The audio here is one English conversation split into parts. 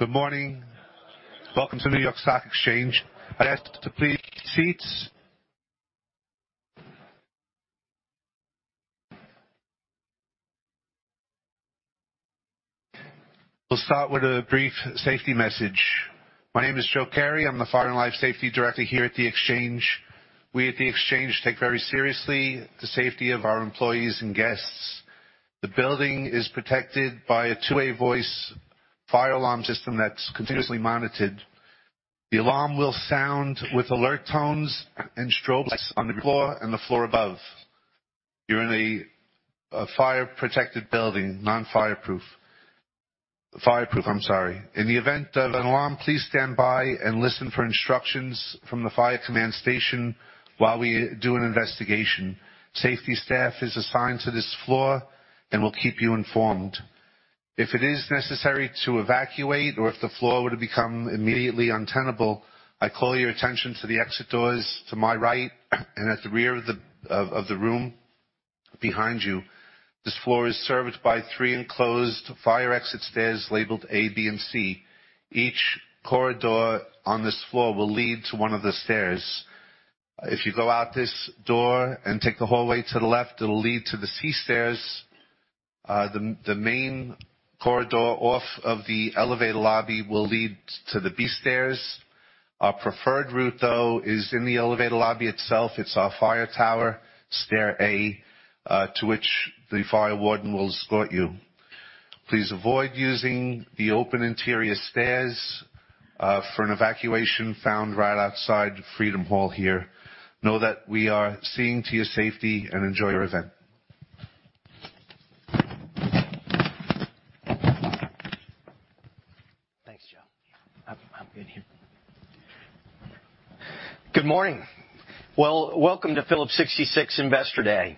Good morning. Welcome to New York Stock Exchange. I ask that you please take your seats. We'll start with a brief safety message. My name is Joe Carey. I'm the Fire and Life Safety Director here at the Exchange. We at the Exchange take very seriously the safety of our employees and guests. The building is protected by a two-way voice fire alarm system that's continuously monitored. The alarm will sound with alert tones and strobes on the floor and the floor above. You're in a fire-protected building, fireproof. I'm sorry. In the event of an alarm, please stand by and listen for instructions from the fire command station while we do an investigation. Safety staff is assigned to this floor and will keep you informed If it is necessary to evacuate or if the floor were to become immediately untenable, I call your attention to the exit doors to my right and at the rear of the room behind you. This floor is served by three enclosed fire exit stairs labeled A, B, and C. Each corridor on this floor will lead to one of the stairs. If you go out this door and take the hallway to the left, it'll lead to the C stairs. The main corridor off of the elevator lobby will lead to the B stairs. Our preferred route, though, is in the elevator lobby itself. It's our fire tower, stair A, to which the fire warden will escort you. Please avoid using the open interior stairs for an evacuation found right outside Freedom Hall here. Know that we are seeing to your safety, and enjoy your event. Thanks, Joe. I'm good here. Good morning. Well, welcome to Phillips 66 Investor Day.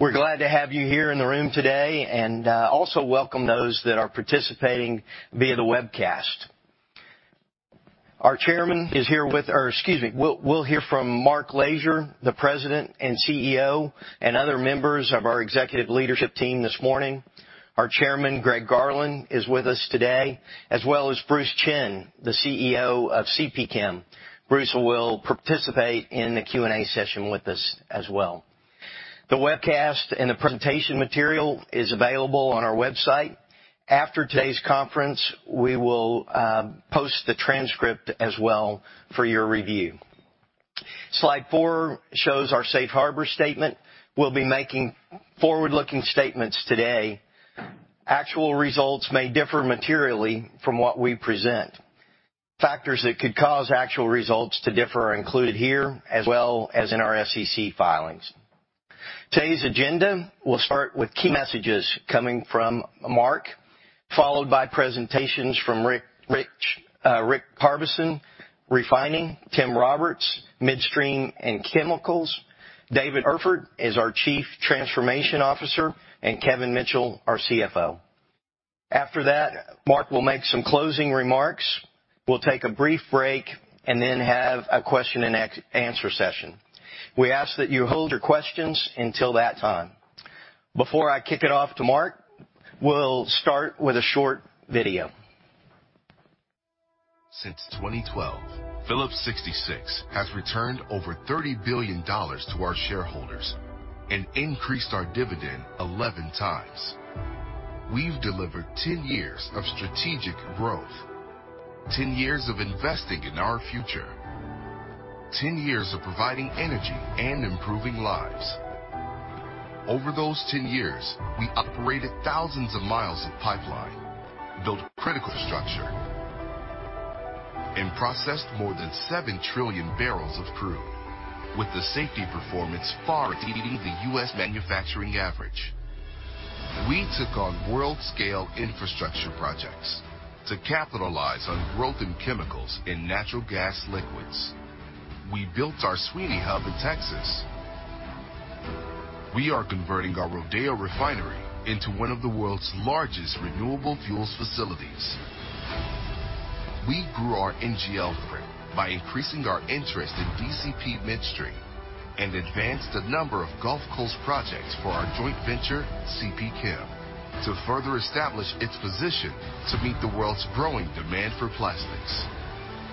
We're glad to have you here in the room today and also welcome those that are participating via the webcast. We'll hear from Mark Lashier, the President and CEO, and other members of our executive leadership team this morning. Our chairman, Greg Garland, is with us today, as well as Bruce Chinn, the CEO of CPChem. Bruce will participate in the Q&A session with us as well. The webcast and the presentation material is available on our website. After today's conference, we will post the transcript as well for your review. Slide four shows our safe harbor statement. We'll be making forward-looking statements today. Actual results may differ materially from what we present. Factors that could cause actual results to differ are included here as well as in our SEC filings. Today's agenda will start with key messages coming from Mark, followed by presentations from Rich Harbison, Refining, Tim Roberts, Midstream and Chemicals, David Erfert is our Chief Transformation Officer, and Kevin Mitchell, our CFO. After that, Mark will make some closing remarks. We'll take a brief break and then have a question and answer session. We ask that you hold your questions until that time. Before I kick it off to Mark, we'll start with a short video. Since 2012, Phillips 66 has returned over $30 billion to our shareholders and increased our dividend 11 times. We've delivered 10 years of strategic growth, 10 years of investing in our future, 10 years of providing energy and improving lives. Over those 10 years, we operated thousands of miles of pipeline, built critical infrastructure, and processed more than seven trillion barrels of crude with a safety performance far exceeding the U.S. manufacturing average. We took on world-scale infrastructure projects to capitalize on growth in chemicals and natural gas liquids. We built our Sweeny hub in Texas. We are converting our Rodeo refinery into one of the world's largest renewable fuels facilities. We grew our NGL footprint by increasing our interest in DCP Midstream and advanced a number of Gulf Coast projects for our joint venture, CP Chem, to further establish its position to meet the world's growing demand for plastics.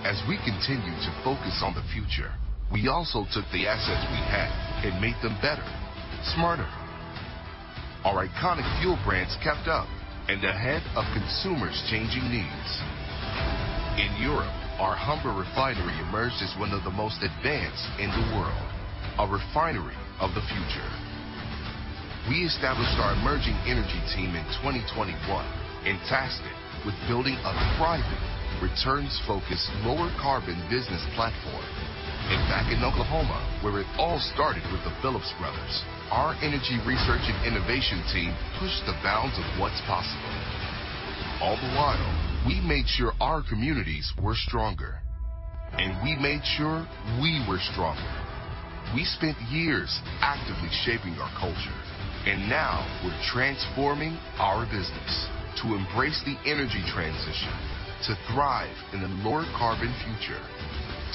As we continue to focus on the future, we also took the assets we had and made them better, smarter. Our iconic fuel brands kept up and ahead of consumers' changing needs. In Europe, our Humber refinery emerged as one of the most advanced in the world, a refinery of the future. We established our emerging energy team in 2021 and tasked it with building a thriving, returns-focused, lower carbon business platform. Back in Oklahoma, where it all started with the Phillips brothers, our energy research and innovation team pushed the bounds of what's possible. All the while, we made sure our communities were stronger, and we made sure we were stronger. We spent years actively shaping our culture, and now we're transforming our business to embrace the energy transition, to thrive in a lower carbon future,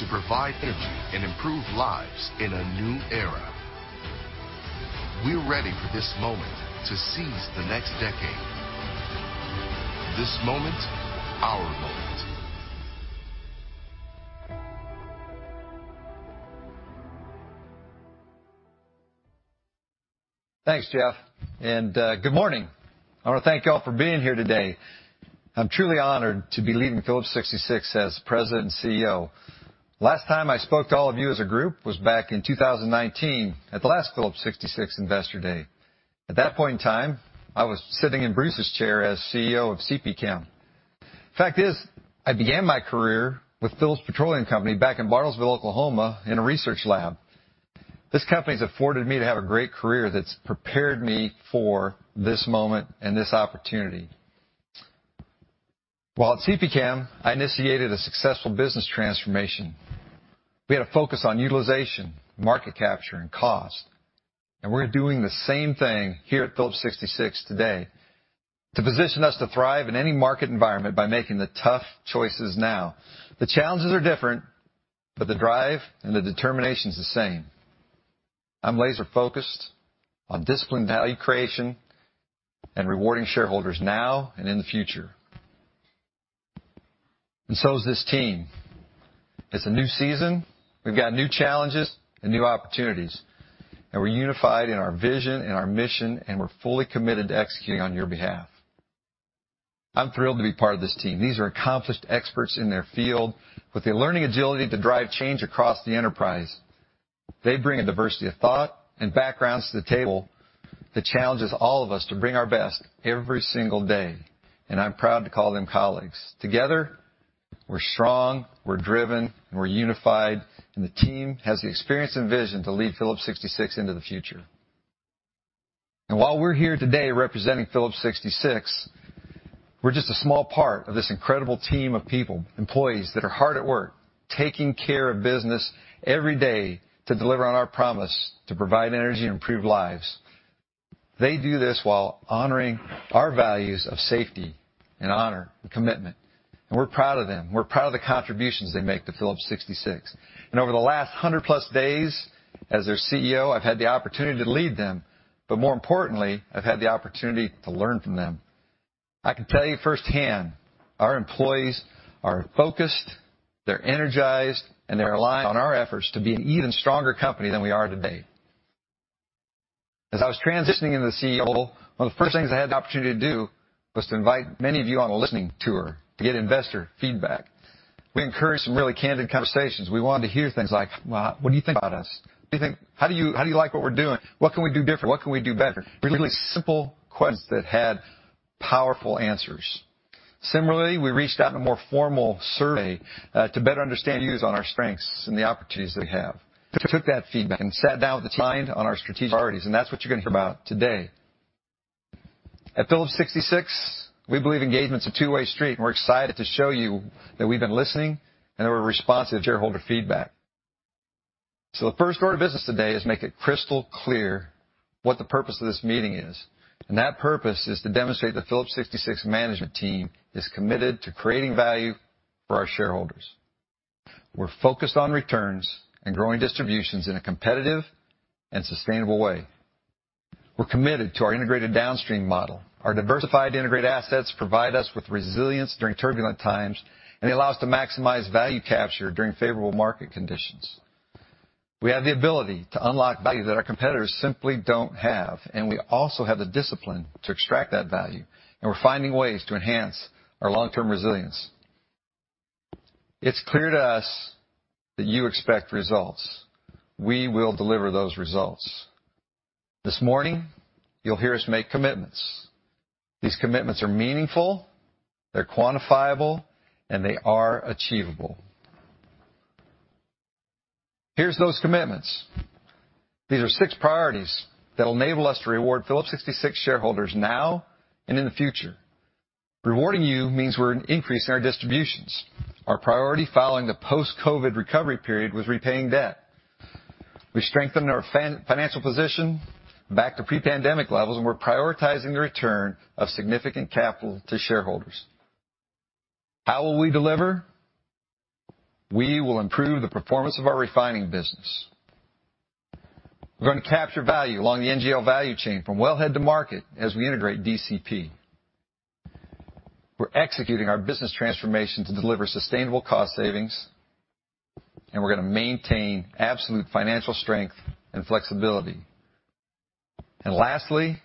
to provide energy and improve lives in a new era. We're ready for this moment to seize the next decade. This moment, our moment. Thanks, Jeff, and good morning. I wanna thank you all for being here today. I'm truly honored to be leading Phillips 66 as President and CEO. Last time I spoke to all of you as a group was back in 2019 at the last Phillips 66 Investor Day. At that point in time, I was sitting in Bruce's chair as CEO of CPChem. Fact is, I began my career with Phillips Petroleum Company back in Bartlesville, Oklahoma, in a research lab. This company's afforded me to have a great career that's prepared me for this moment and this opportunity. While at CPChem, I initiated a successful business transformation. We had a focus on utilization, market capture, and cost, and we're doing the same thing here at Phillips 66 today to position us to thrive in any market environment by making the tough choices now. The challenges are different, but the drive and the determination's the same. I'm laser-focused on disciplined value creation and rewarding shareholders now and in the future. This team is. It's a new season. We've got new challenges and new opportunities, and we're unified in our vision and our mission, and we're fully committed to executing on your behalf. I'm thrilled to be part of this team. These are accomplished experts in their field with the learning agility to drive change across the enterprise. They bring a diversity of thought and backgrounds to the table that challenges all of us to bring our best every single day, and I'm proud to call them colleagues. Together, we're strong, we're driven, and we're unified, and the team has the experience and vision to lead Phillips 66 into the future. While we're here today representing Phillips 66, we're just a small part of this incredible team of people, employees that are hard at work, taking care of business every day to deliver on our promise to provide energy and improve lives. They do this while honoring our values of safety and honor and commitment, and we're proud of them. We're proud of the contributions they make to Phillips 66. Over the last 100+ days as their CEO, I've had the opportunity to lead them, but more importantly, I've had the opportunity to learn from them. I can tell you firsthand, our employees are focused, they're energized, and they're aligned on our efforts to be an even stronger company than we are today. As I was transitioning into CEO, one of the first things I had the opportunity to do was to invite many of you on a listening tour to get investor feedback. We encouraged some really candid conversations. We wanted to hear things like, "Well, what do you think about us? What do you think, how do you like what we're doing? What can we do different? What can we do better?" Really simple questions that had powerful answers. Similarly, we reached out in a more formal survey to better understand views on our strengths and the opportunities that we have. We took that feedback and sat down with the team, aligned on our strategic priorities, and that's what you're gonna hear about today. At Phillips 66, we believe engagement's a two-way street, and we're excited to show you that we've been listening, and that we're responsive to shareholder feedback. The first order of business today is make it crystal clear what the purpose of this meeting is, and that purpose is to demonstrate the Phillips 66 management team is committed to creating value for our shareholders. We're focused on returns and growing distributions in a competitive and sustainable way. We're committed to our integrated downstream model. Our diversified integrated assets provide us with resilience during turbulent times and allow us to maximize value capture during favorable market conditions. We have the ability to unlock value that our competitors simply don't have, and we also have the discipline to extract that value, and we're finding ways to enhance our long-term resilience. It's clear to us that you expect results. We will deliver those results. This morning, you'll hear us make commitments. These commitments are meaningful, they're quantifiable, and they are achievable. Here's those commitments. These are six priorities that'll enable us to reward Phillips 66 shareholders now and in the future. Rewarding you means we're increasing our distributions. Our priority following the post-COVID recovery period was repaying debt. We strengthened our financial position back to pre-pandemic levels, and we're prioritizing the return of significant capital to shareholders. How will we deliver? We will improve the performance of our refining business. We're gonna capture value along the NGL value chain from wellhead to market as we integrate DCP. We're executing our business transformation to deliver sustainable cost savings, and we're gonna maintain absolute financial strength and flexibility. Lastly,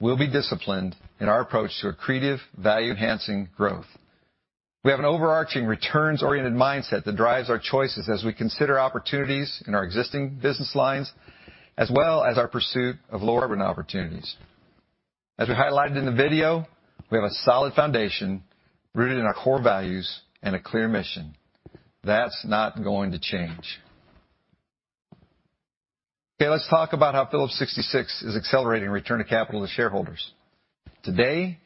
we'll be disciplined in our approach to accretive value-enhancing growth. We have an overarching returns-oriented mindset that drives our choices as we consider opportunities in our existing business lines, as well as our pursuit of lower carbon opportunities. As we highlighted in the video, we have a solid foundation rooted in our core values and a clear mission. That's not going to change. Okay, let's talk about how Phillips 66 is accelerating return of capital to shareholders. Today,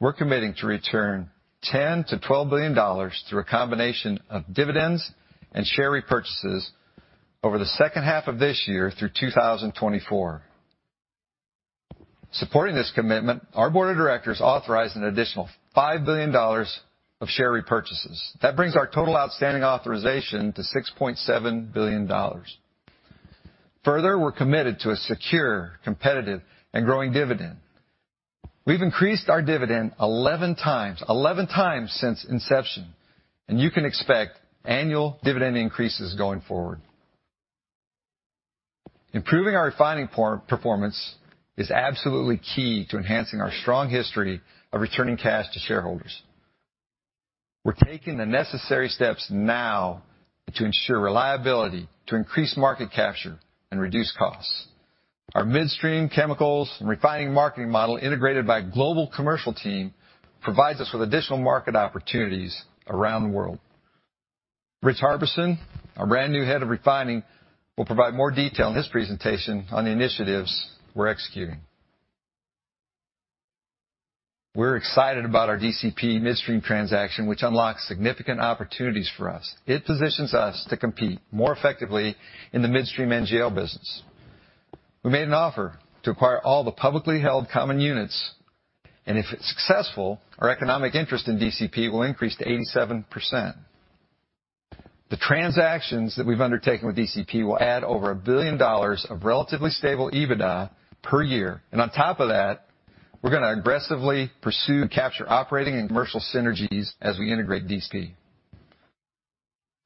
we're committing to return $10-$12 billion through a combination of dividends and share repurchases over the second half of this year through 2024. Supporting this commitment, our board of directors authorized an additional $5 billion of share repurchases. That brings our total outstanding authorization to $6.7 billion. Further, we're committed to a secure, competitive, and growing dividend. We've increased our dividend 11 times since inception, and you can expect annual dividend increases going forward. Improving our refining performance is absolutely key to enhancing our strong history of returning cash to shareholders. We're taking the necessary steps now to ensure reliability, to increase market capture, and reduce costs. Our midstream, chemicals, and refining marketing model integrated by global commercial team provides us with additional market opportunities around the world. Rich Harbison, our brand new head of refining, will provide more detail in his presentation on the initiatives we're executing. We're excited about our DCP Midstream transaction, which unlocks significant opportunities for us. It positions us to compete more effectively in the midstream NGL business. We made an offer to acquire all the publicly held common units, and if it's successful, our economic interest in DCP will increase to 87%. The transactions that we've undertaken with DCP will add over $1 billion of relatively stable EBITDA per year. On top of that, we're gonna aggressively pursue and capture operating and commercial synergies as we integrate DCP.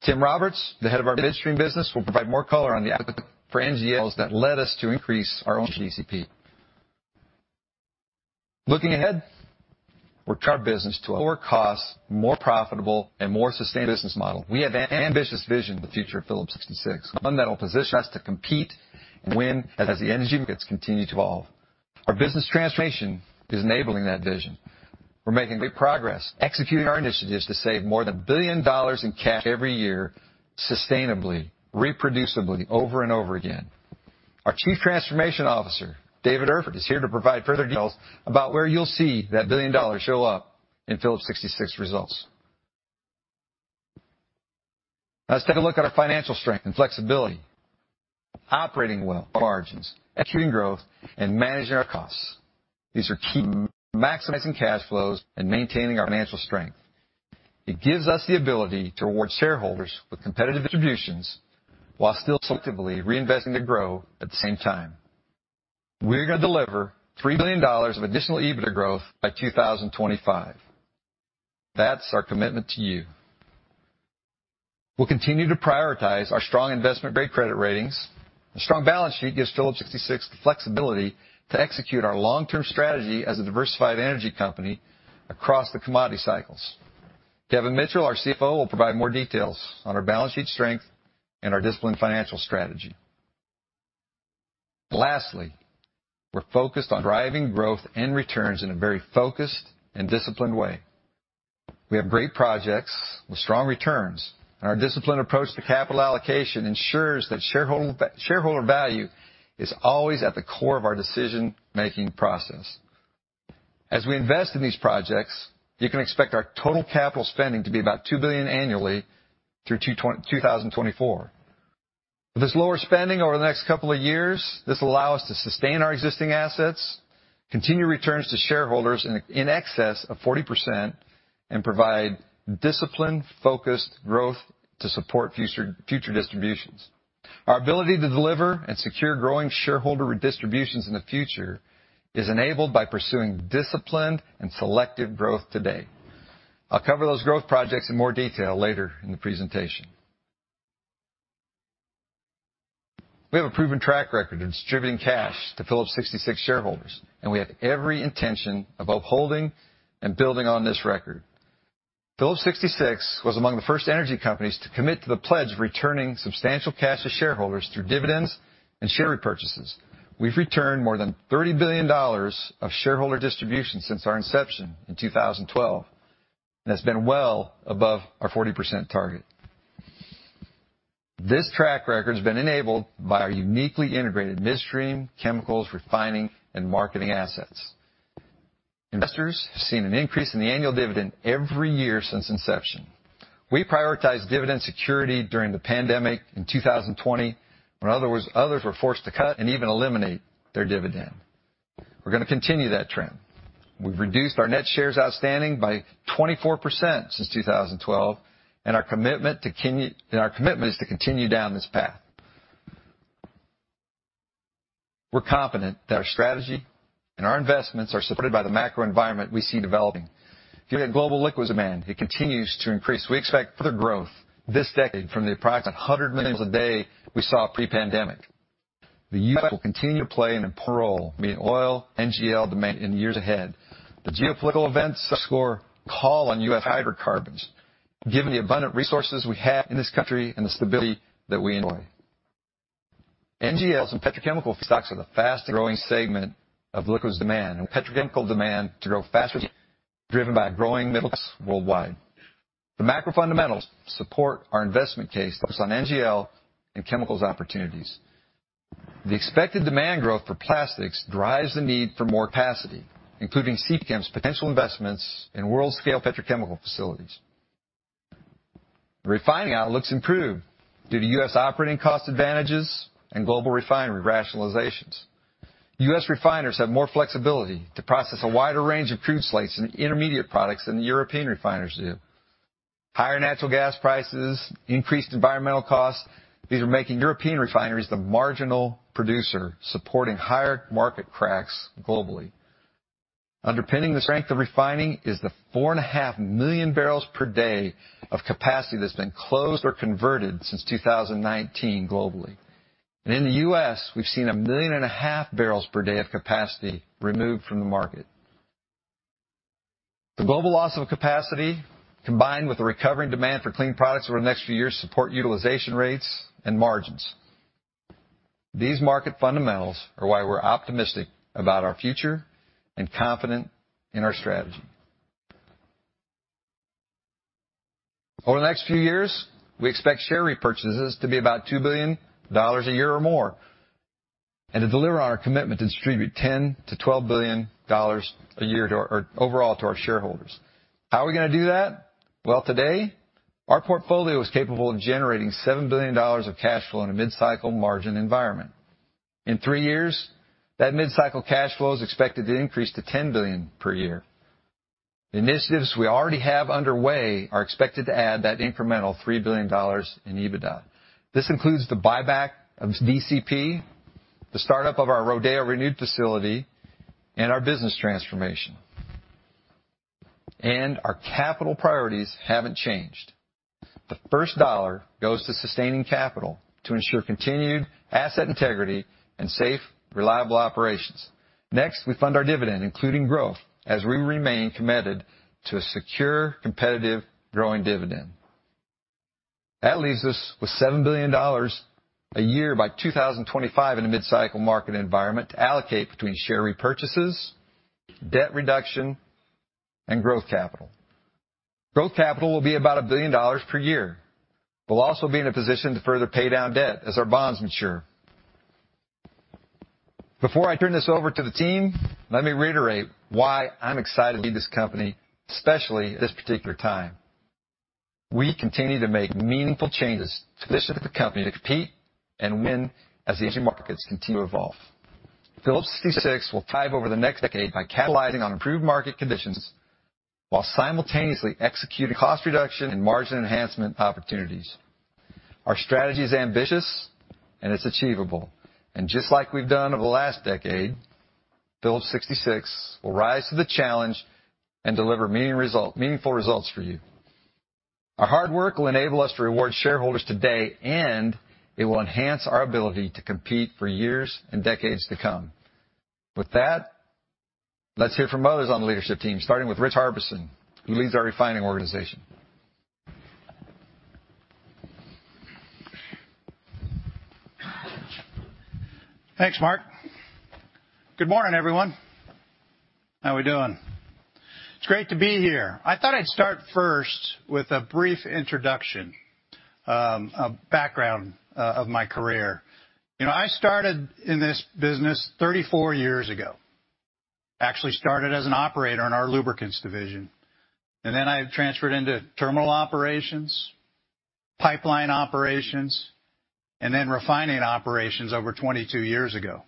Timothy D. Roberts, the head of our midstream business, will provide more color on the foray into NGLs that led us to increase our ownership in DCP. Looking ahead, we're committing our business to a lower cost, more profitable, and more sustainable business model. We have an ambitious vision of the future of Phillips 66. This fundamentally positions us to compete and win as the energy markets continue to evolve. Our business transformation is enabling that vision. We're making great progress executing our initiatives to save more than $1 billion in cash every year, sustainably, reproducibly over and over again. Our Chief Transformation Officer, David Erfert, is here to provide further details about where you'll see that $1 billion show up in Phillips 66 results. Let's take a look at our financial strength and flexibility. Operating well on margins, executing growth, and managing our costs. These are key to maximizing cash flows and maintaining our financial strength. It gives us the ability to reward shareholders with competitive distributions while still selectively reinvesting to grow at the same time. We're gonna deliver $3 billion of additional EBITDA growth by 2025. That's our commitment to you. We'll continue to prioritize our strong investment-grade credit ratings. A strong balance sheet gives Phillips 66 the flexibility to execute our long-term strategy as a diversified energy company across the commodity cycles. Kevin Mitchell, our CFO, will provide more details on our balance sheet strength and our disciplined financial strategy. Lastly, we're focused on driving growth and returns in a very focused and disciplined way. We have great projects with strong returns, and our disciplined approach to capital allocation ensures that shareholder value is always at the core of our decision-making process. As we invest in these projects, you can expect our total capital spending to be about $2 billion annually through 2024. With this lower spending over the next couple of years, this will allow us to sustain our existing assets, continue returns to shareholders in excess of 40%, and provide disciplined, focused growth to support future distributions. Our ability to deliver and secure growing shareholder distributions in the future is enabled by pursuing disciplined and selective growth today. I'll cover those growth projects in more detail later in the presentation. We have a proven track record of distributing cash to Phillips 66 shareholders, and we have every intention of upholding and building on this record. Phillips 66 was among the first energy companies to commit to the pledge of returning substantial cash to shareholders through dividends and share repurchases. We've returned more than $30 billion of shareholder distributions since our inception in 2012, and it's been well above our 40% target. This track record's been enabled by our uniquely integrated midstream, chemicals, refining, and marketing assets. Investors have seen an increase in the annual dividend every year since inception. We prioritized dividend security during the pandemic in 2020, when others were forced to cut and even eliminate their dividend. We're gonna continue that trend. We've reduced our net shares outstanding by 24% since 2012, and our commitment is to continue down this path. We're confident that our strategy and our investments are supported by the macro environment we see developing. If you look at global liquids demand, it continues to increase. We expect further growth this decade from the approximately 100 million gallons a day we saw pre-pandemic. The U.S. will continue to play an important role meeting oil and NGL demand in years ahead. The geopolitical events underscore the call on U.S. hydrocarbons, given the abundant resources we have in this country and the stability that we enjoy. NGLs and petrochemical feedstocks are the fastest growing segment of liquids demand, and petrochemical demand to grow faster, driven by growing middle class worldwide. The macro fundamentals support our investment case focused on NGL and chemicals opportunities. The expected demand growth for plastics drives the need for more capacity, including CPChem's potential investments in world scale petrochemical facilities. Refining outlook's improved due to U.S. operating cost advantages and global refinery rationalizations. U.S. refiners have more flexibility to process a wider range of crude slates and intermediate products than the European refiners do. Higher natural gas prices, increased environmental costs, these are making European refineries the marginal producer, supporting higher market cracks globally. Underpinning the strength of refining is the 4.5 million barrels per day of capacity that's been closed or converted since 2019 globally. In the U.S., we've seen a 1.5 million barrels per day of capacity removed from the market. The global loss of capacity, combined with the recovering demand for clean products over the next few years, support utilization rates and margins. These market fundamentals are why we're optimistic about our future and confident in our strategy. Over the next few years, we expect share repurchases to be about $2 billion a year or more and to deliver on our commitment to distribute $10 billion-$12 billion a year or overall to our shareholders. How are we gonna do that? Well, today, our portfolio is capable of generating $7 billion of cash flow in a mid-cycle margin environment. In three years, that mid-cycle cash flow is expected to increase to $10 billion per year. Initiatives we already have underway are expected to add that incremental $3 billion in EBITDA. This includes the buyback of DCP, the startup of our Rodeo Renewed facility, and our business transformation. Our capital priorities haven't changed. The first dollar goes to sustaining capital to ensure continued asset integrity and safe, reliable operations. Next, we fund our dividend, including growth, as we remain committed to a secure, competitive, growing dividend. That leaves us with $7 billion a year by 2025 in a mid-cycle market environment to allocate between share repurchases, debt reduction, and growth capital. Growth capital will be about $1 billion per year. We'll also be in a position to further pay down debt as our bonds mature. Before I turn this over to the team, let me reiterate why I'm excited to lead this company, especially at this particular time. We continue to make meaningful changes to position the company to compete and win as the energy markets continue to evolve. Phillips 66 will thrive over the next decade by capitalizing on improved market conditions while simultaneously executing cost reduction and margin enhancement opportunities. Our strategy is ambitious, and it's achievable. Just like we've done over the last decade, Phillips 66 will rise to the challenge and deliver meaningful results for you. Our hard work will enable us to reward shareholders today, and it will enhance our ability to compete for years and decades to come. With that, let's hear from others on the leadership team, starting with Rich Harbison, who leads our refining organization. Thanks, Mark. Good morning, everyone. How we doing? It's great to be here. I thought I'd start first with a brief introduction, a background, of my career. You know, I started in this business 34 years ago. Actually started as an operator in our lubricants division, and then I transferred into terminal operations, pipeline operations, and then refining operations over 22 years ago.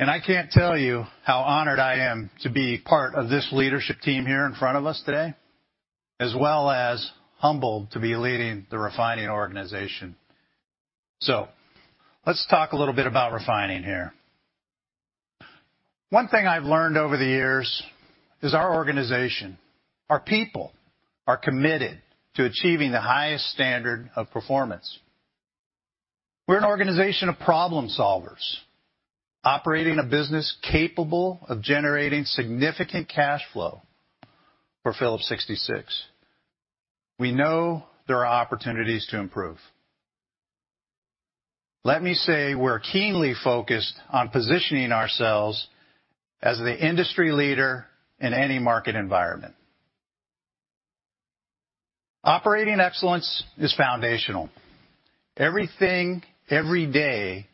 I can't tell you how honored I am to be part of this leadership team here in front of us today, as well as humbled to be leading the refining organization. Let's talk a little bit about refining here. One thing I've learned over the years is our organization, our people, are committed to achieving the highest standard of performance. We're an organization of problem solvers operating a business capable of generating significant cash flow for Phillips 66. We know there are opportunities to improve. Let me say we're keenly focused on positioning ourselves as the industry leader in any market environment. Operating excellence is foundational. Everything, every day,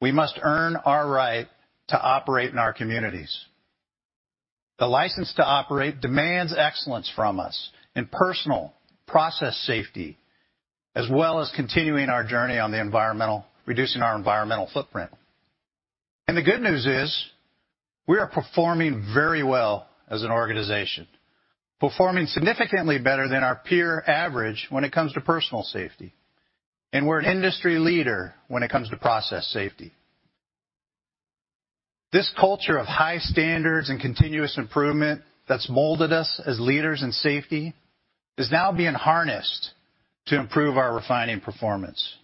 we must earn our right to operate in our communities. The license to operate demands excellence from us in personal process safety, as well as continuing our journey on the environmental, reducing our environmental footprint. The good news is we are performing very well as an organization. Performing significantly better than our peer average when it comes to personal safety. We're an industry leader when it comes to process safety. This culture of high standards and continuous improvement that's molded us as leaders in safety is now being harnessed to improve our refining performance.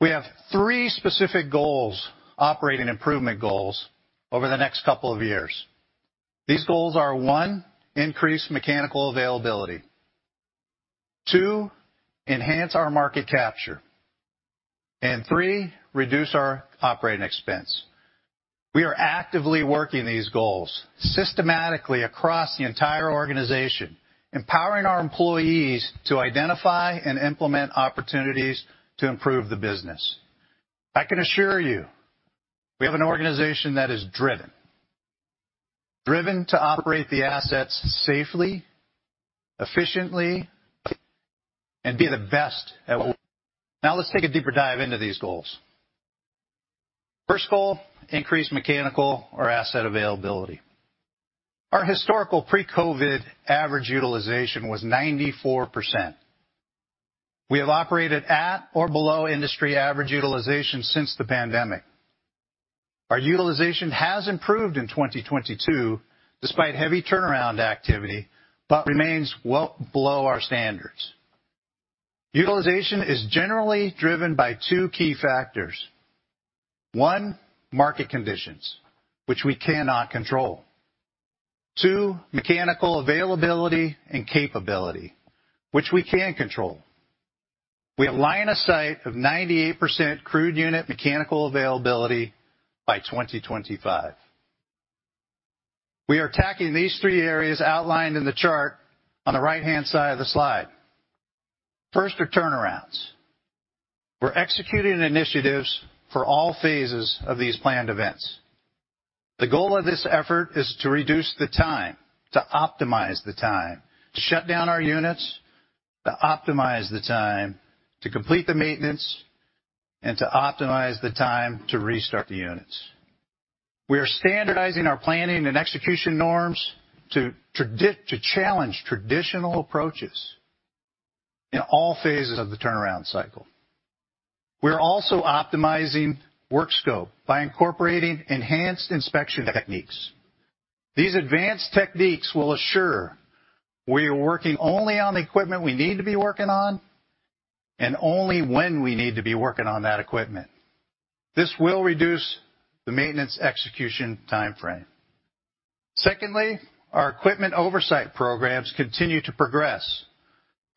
We have three specific goals, operating improvement goals over the next couple of years. These goals are, one, increase mechanical availability. Two, enhance our market capture. Three, reduce our operating expense. We are actively working these goals systematically across the entire organization, empowering our employees to identify and implement opportunities to improve the business. I can assure you, we have an organization that is driven to operate the assets safely, efficiently, and be the best at what. Now let's take a deeper dive into these goals. First goal, increase mechanical or asset availability. Our historical pre-COVID average utilization was 94%. We have operated at or below industry average utilization since the pandemic. Our utilization has improved in 2022 despite heavy turnaround activity, but remains well below our standards. Utilization is generally driven by two key factors. One, market conditions, which we cannot control. Two, mechanical availability and capability, which we can control. We have line of sight of 98% crude unit mechanical availability by 2025. We are attacking these three areas outlined in the chart on the right-hand side of the slide. First are turnarounds. We're executing initiatives for all phases of these planned events. The goal of this effort is to reduce the time, to optimize the time to shut down our units, to optimize the time to complete the maintenance, and to optimize the time to restart the units. We are standardizing our planning and execution norms to challenge traditional approaches in all phases of the turnaround cycle. We're also optimizing work scope by incorporating enhanced inspection techniques. These advanced techniques will assure we are working only on the equipment we need to be working on and only when we need to be working on that equipment. This will reduce the maintenance execution timeframe. Secondly, our equipment oversight programs continue to progress,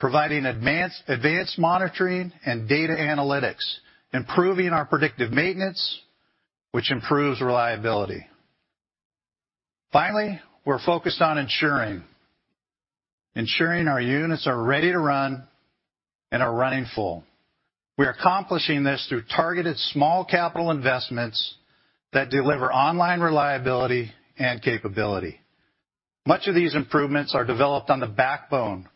providing advanced monitoring and data analytics, improving our predictive maintenance, which improves reliability. Finally, we're focused on ensuring our units are ready to run and are running full. We are accomplishing this through targeted small capital investments that deliver online reliability and capability. Much of these improvements are developed on the backbone of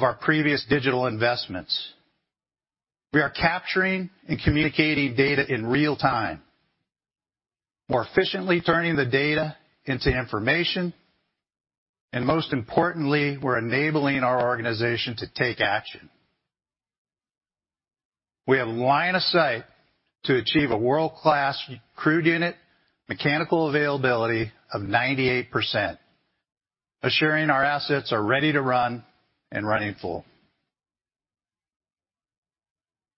our previous digital investments. We are capturing and communicating data in real time. We're efficiently turning the data into information, and most importantly, we're enabling our organization to take action. We have line of sight to achieve a world-class crude unit mechanical availability of 98%, assuring our assets are ready to run and running full.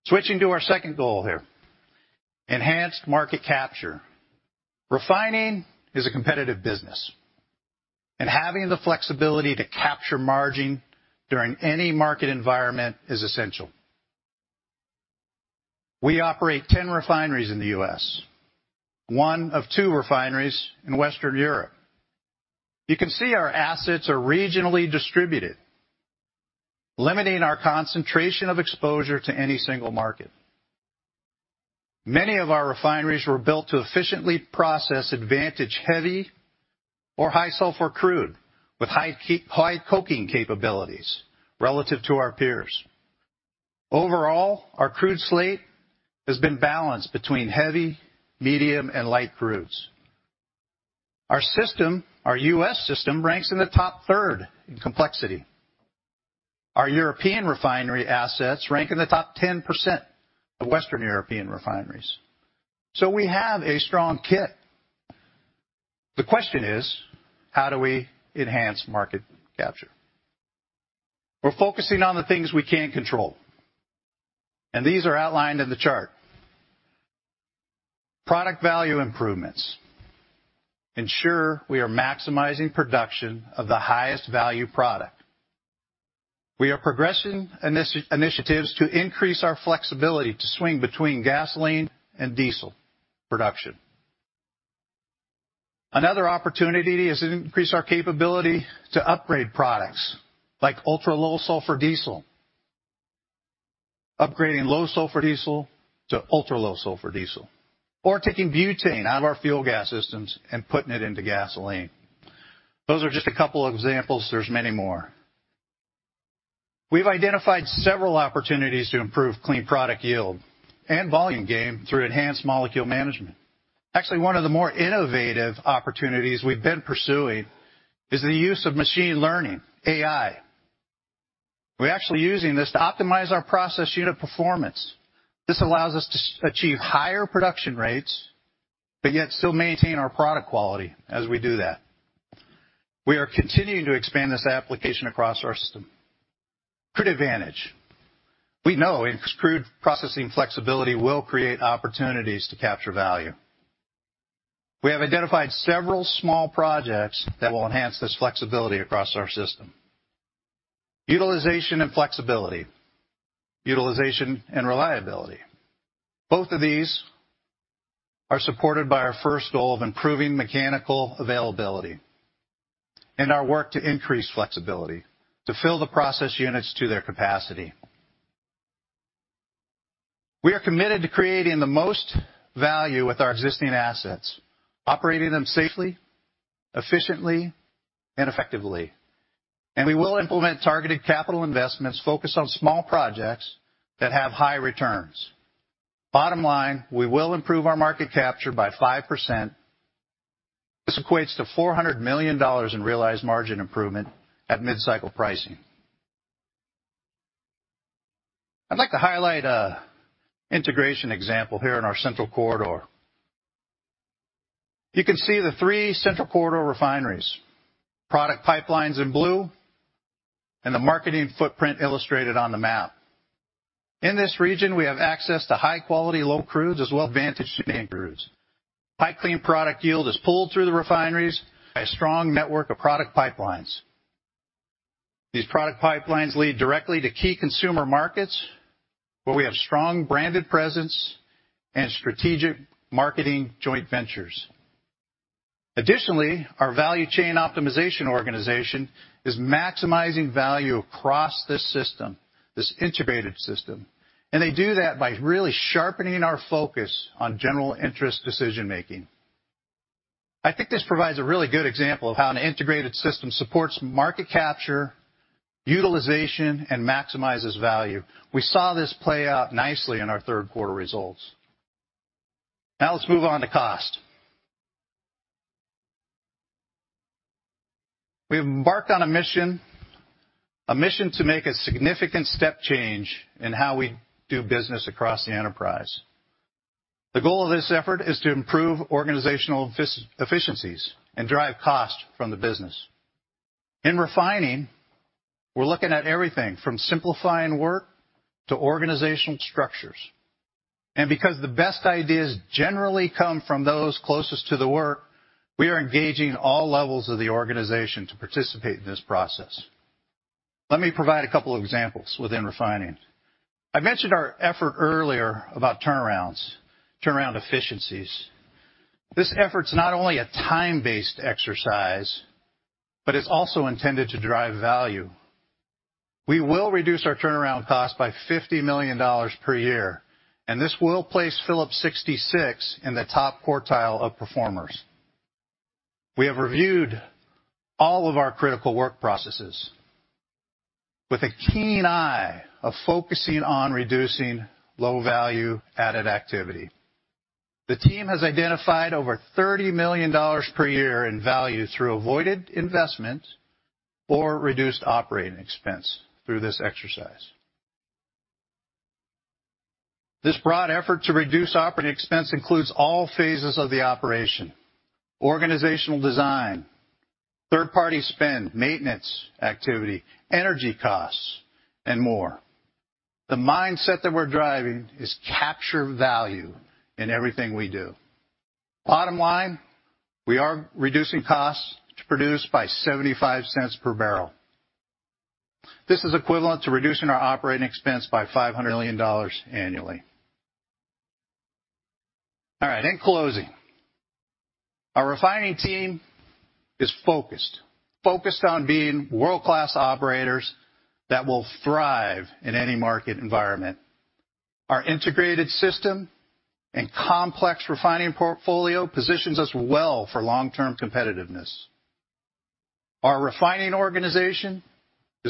Switching to our second goal here, enhanced market capture. Refining is a competitive business, and having the flexibility to capture margin during any market environment is essential. We operate 10 refineries in the U.S., one of two refineries in Western Europe. You can see our assets are regionally distributed, limiting our concentration of exposure to any single market. Many of our refineries were built to efficiently process advantaged heavy or high sulfur crude with high coking capabilities relative to our peers. Overall, our crude slate has been balanced between heavy, medium, and light crudes. Our system, our U.S. system ranks in the top third in complexity. Our European refinery assets rank in the top 10% of Western European refineries. We have a strong kit. The question is, how do we enhance market capture? We're focusing on the things we can control, and these are outlined in the chart. Product value improvements ensure we are maximizing production of the highest value product. We are progressing initiatives to increase our flexibility to swing between gasoline and diesel production. Another opportunity is to increase our capability to upgrade products like ultra-low-sulfur diesel, upgrading low-sulfur diesel to ultra-low-sulfur diesel, or taking butane out of our fuel gas systems and putting it into gasoline. Those are just a couple examples. There's many more. We've identified several opportunities to improve clean product yield and volume gain through enhanced molecule management. Actually, one of the more innovative opportunities we've been pursuing is the use of machine learning, AI. We're actually using this to optimize our process unit performance. This allows us to achieve higher production rates, but yet still maintain our product quality as we do that. We are continuing to expand this application across our system. Crude advantage. We know increased crude processing flexibility will create opportunities to capture value. We have identified several small projects that will enhance this flexibility across our system. Utilization and flexibility. Utilization and reliability. Both of these are supported by our first goal of improving mechanical availability and our work to increase flexibility to fill the process units to their capacity. We are committed to creating the most value with our existing assets, operating them safely, efficiently and effectively. We will implement targeted capital investments focused on small projects that have high returns. Bottom line, we will improve our market capture by 5%. This equates to $400 million in realized margin improvement at mid-cycle pricing. I'd like to highlight an integration example here in our central corridor. You can see the three central corridor refineries, product pipelines in blue, and the marketing footprint illustrated on the map. In this region, we have access to high-quality low crudes as well as advantaged crudes. High clean product yield is pulled through the refineries by a strong network of product pipelines. These product pipelines lead directly to key consumer markets where we have strong branded presence and strategic marketing joint ventures. Additionally, our value chain optimization organization is maximizing value across this system, this integrated system, and they do that by really sharpening our focus on general interest decision-making. I think this provides a really good example of how an integrated system supports market capture, utilization, and maximizes value. We saw this play out nicely in our third quarter results. Now let's move on to cost. We've embarked on a mission to make a significant step change in how we do business across the enterprise. The goal of this effort is to improve organizational efficiencies and drive cost from the business. In refining, we're looking at everything from simplifying work to organizational structures. Because the best ideas generally come from those closest to the work, we are engaging all levels of the organization to participate in this process. Let me provide a couple of examples within refining. I mentioned our effort earlier about turnarounds, turnaround efficiencies. This effort's not only a time-based exercise, but it's also intended to drive value. We will reduce our turnaround cost by $50 million per year, and this will place Phillips 66 in the top quartile of performers. We have reviewed all of our critical work processes with a keen eye of focusing on reducing low value added activity. The team has identified over $30 million per year in value through avoided investment or reduced operating expense through this exercise. This broad effort to reduce operating expense includes all phases of the operation, organizational design, third-party spend, maintenance activity, energy costs, and more. The mindset that we're driving is capture value in everything we do. Bottom line, we are reducing costs to produce by $0.75 per barrel. This is equivalent to reducing our operating expense by $500 million annually. All right, in closing, our refining team is focused on being world-class operators that will thrive in any market environment. Our integrated system and complex refining portfolio positions us well for long-term competitiveness. Our refining organization is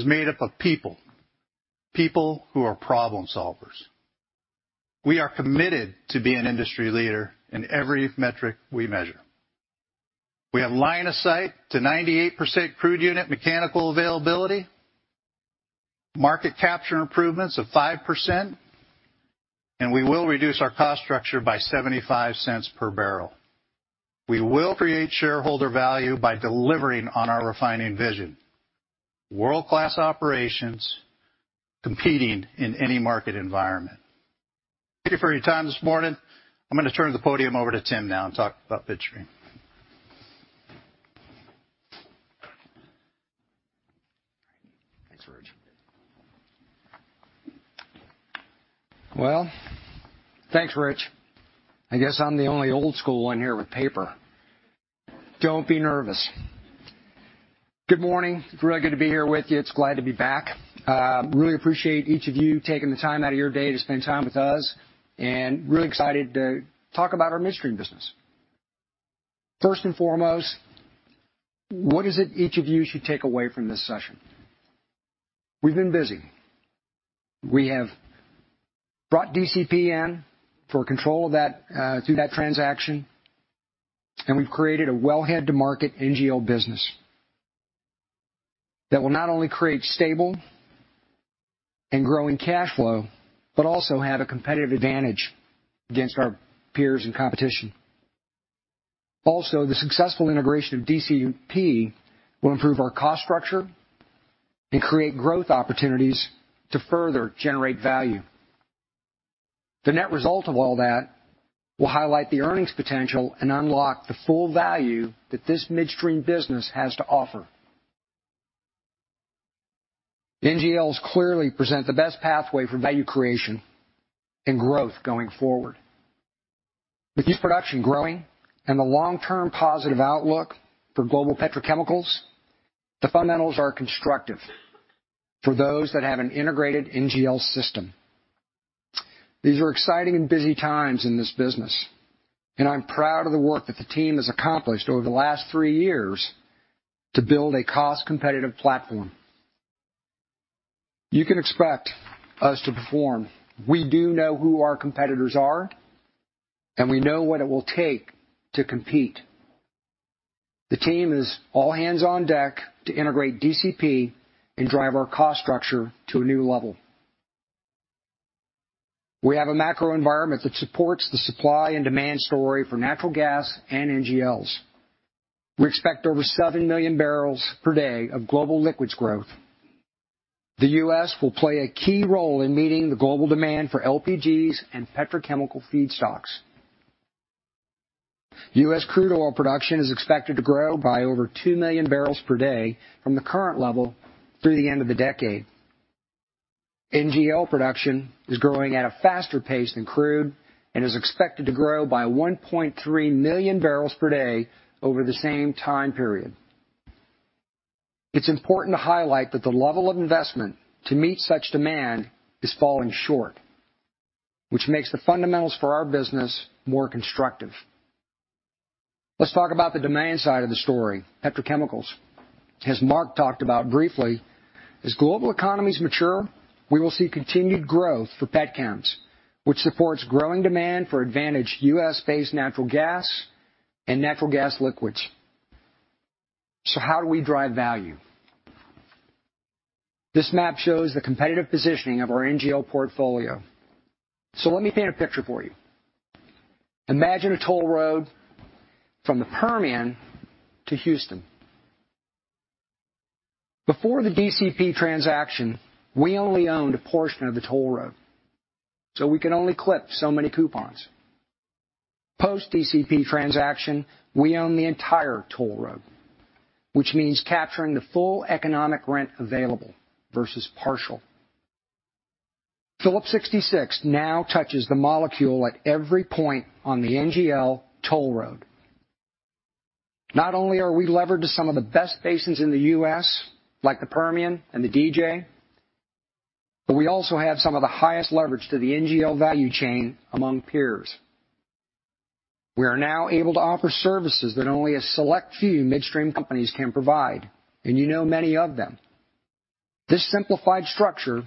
made up of people who are problem solvers. We are committed to be an industry leader in every metric we measure. We have line of sight to 98% crude unit mechanical availability, market capture improvements of 5%, and we will reduce our cost structure by $0.75 per barrel. We will create shareholder value by delivering on our refining vision. World-class operations competing in any market environment. Thank you for your time this morning. I'm gonna turn the podium over to Tim now and talk about Midstream. Thanks, Rich. I guess I'm the only old school one here with paper. Don't be nervous. Good morning. Really good to be here with you. It's glad to be back. Really appreciate each of you taking the time out of your day to spend time with us, and really excited to talk about our Midstream business. First and foremost, what is it each of you should take away from this session? We've been busy. We have brought DCP in for control of that through that transaction, and we've created a wellhead to market NGL business that will not only create stable and growing cash flow, but also have a competitive advantage against our peers and competition. Also, the successful integration of DCP will improve our cost structure and create growth opportunities to further generate value. The net result of all that will highlight the earnings potential and unlock the full value that this Midstream business has to offer. NGLs clearly present the best pathway for value creation and growth going forward. With U.S. production growing and the long-term positive outlook for global petrochemicals, the fundamentals are constructive for those that have an integrated NGL system. These are exciting and busy times in this business, and I'm proud of the work that the team has accomplished over the last three years to build a cost-competitive platform. You can expect us to perform. We do know who our competitors are, and we know what it will take to compete. The team is all hands on deck to integrate DCP and drive our cost structure to a new level. We have a macro environment that supports the supply and demand story for natural gas and NGLs. We expect over seven million barrels per day of global liquids growth. The US will play a key role in meeting the global demand for LPGs and petrochemical feedstocks. US crude oil production is expected to grow by over two million barrels per day from the current level through the end of the decade. NGL production is growing at a faster pace than crude and is expected to grow by 1.3 million barrels per day over the same time period. It's important to highlight that the level of investment to meet such demand is falling short, which makes the fundamentals for our business more constructive. Let's talk about the demand side of the story, petrochemicals. As Mark talked about briefly, as global economies mature, we will see continued growth for pet chems, which supports growing demand for advantaged US-based natural gas and natural gas liquids. How do we drive value? This map shows the competitive positioning of our NGL portfolio. Let me paint a picture for you. Imagine a toll road from the Permian to Houston. Before the DCP transaction, we only owned a portion of the toll road, so we could only clip so many coupons. Post DCP transaction, we own the entire toll road, which means capturing the full economic rent available versus partial. Phillips 66 now touches the molecule at every point on the NGL toll road. Not only are we levered to some of the best basins in the U.S., like the Permian and the DJ, but we also have some of the highest leverage to the NGL value chain among peers. We are now able to offer services that only a select few midstream companies can provide, and you know many of them. This simplified structure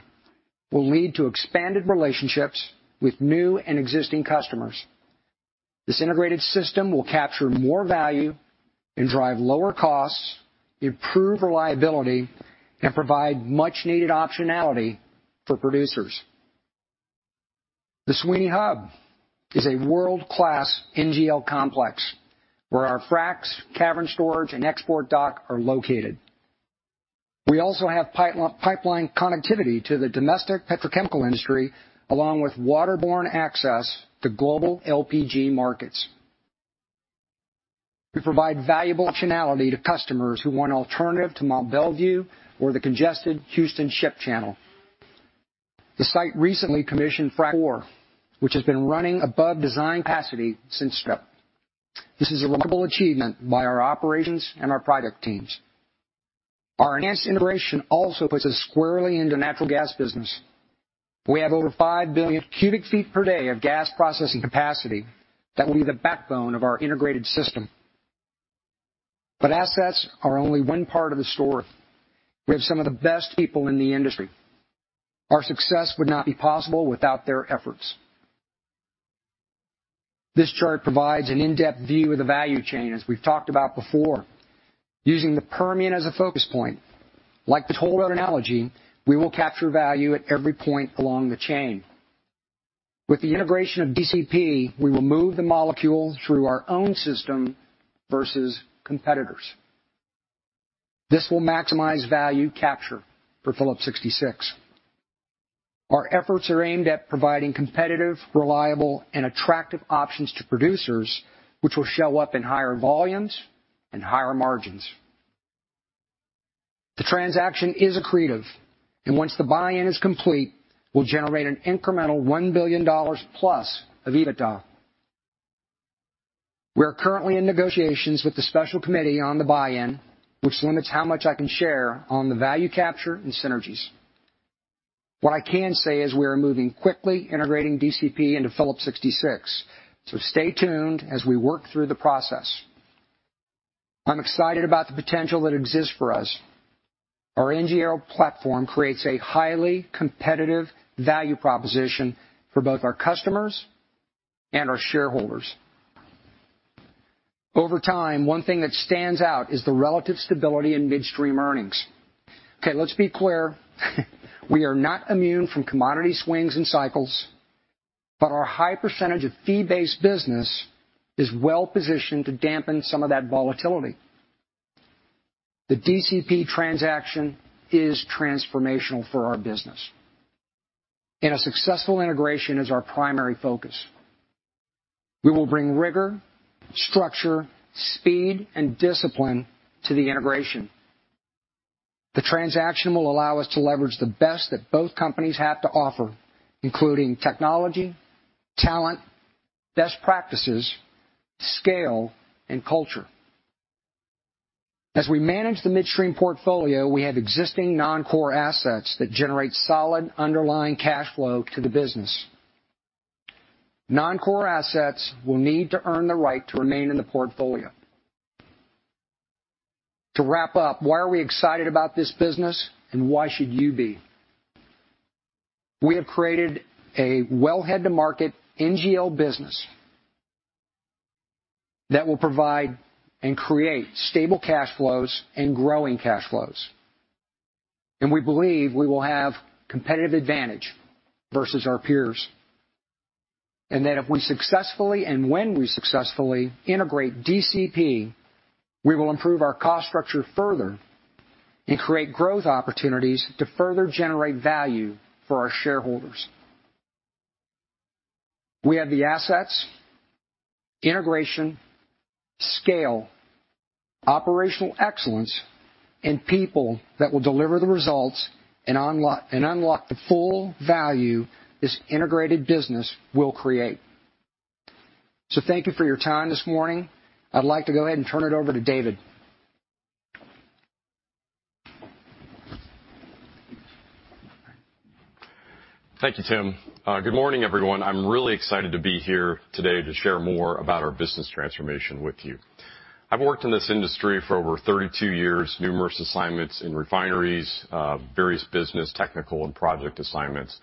will lead to expanded relationships with new and existing customers. This integrated system will capture more value and drive lower costs, improve reliability, and provide much needed optionality for producers. The Sweeney Hub is a world-class NGL complex where our fracs, cavern storage, and export dock are located. We also have pipeline connectivity to the domestic petrochemical industry, along with waterborne access to global LPG markets. We provide valuable optionality to customers who want an alternative to Mont Belvieu or the congested Houston Ship Channel. The site recently commissioned Frac Four, which has been running above design capacity since start. This is a remarkable achievement by our operations and our project teams. Our enhanced integration also puts us squarely into natural gas business. We have over five billion cubic feet per day of gas processing capacity that will be the backbone of our integrated system. Assets are only one part of the story. We have some of the best people in the industry. Our success would not be possible without their efforts. This chart provides an in-depth view of the value chain, as we've talked about before. Using the Permian as a focus point, like the toll road analogy, we will capture value at every point along the chain. With the integration of DCP, we will move the molecule through our own system versus competitors. This will maximize value capture for Phillips 66. Our efforts are aimed at providing competitive, reliable, and attractive options to producers, which will show up in higher volumes and higher margins. The transaction is accretive, and once the buy-in is complete, will generate an incremental $1 billion+ of EBITDA. We are currently in negotiations with the special committee on the buy-in, which limits how much I can share on the value capture and synergies. What I can say is we are moving quickly integrating DCP into Phillips 66. Stay tuned as we work through the process. I'm excited about the potential that exists for us. Our NGL platform creates a highly competitive value proposition for both our customers and our shareholders. Over time, one thing that stands out is the relative stability in midstream earnings. Okay, let's be clear. We are not immune from commodity swings and cycles, but our high percentage of fee-based business is well-positioned to dampen some of that volatility. The DCP transaction is transformational for our business, and a successful integration is our primary focus. We will bring rigor, structure, speed, and discipline to the integration. The transaction will allow us to leverage the best that both companies have to offer, including technology, talent, best practices, scale, and culture. As we manage the midstream portfolio, we have existing non-core assets that generate solid underlying cash flow to the business. Non-core assets will need to earn the right to remain in the portfolio. To wrap up, why are we excited about this business, and why should you be? We have created a wellhead-to-market NGL business that will provide and create stable cash flows and growing cash flows. We believe we will have competitive advantage versus our peers. That if we successfully and when we successfully integrate DCP, we will improve our cost structure further and create growth opportunities to further generate value for our shareholders. We have the assets, integration, scale, operational excellence, and people that will deliver the results and unlock the full value this integrated business will create. Thank you for your time this morning. I'd like to go ahead and turn it over to David Erfert. Thank you, Tim. Good morning, everyone. I'm really excited to be here today to share more about our business transformation with you. I've worked in this industry for over 32 years, numerous assignments in refineries, various business, technical and project assignments.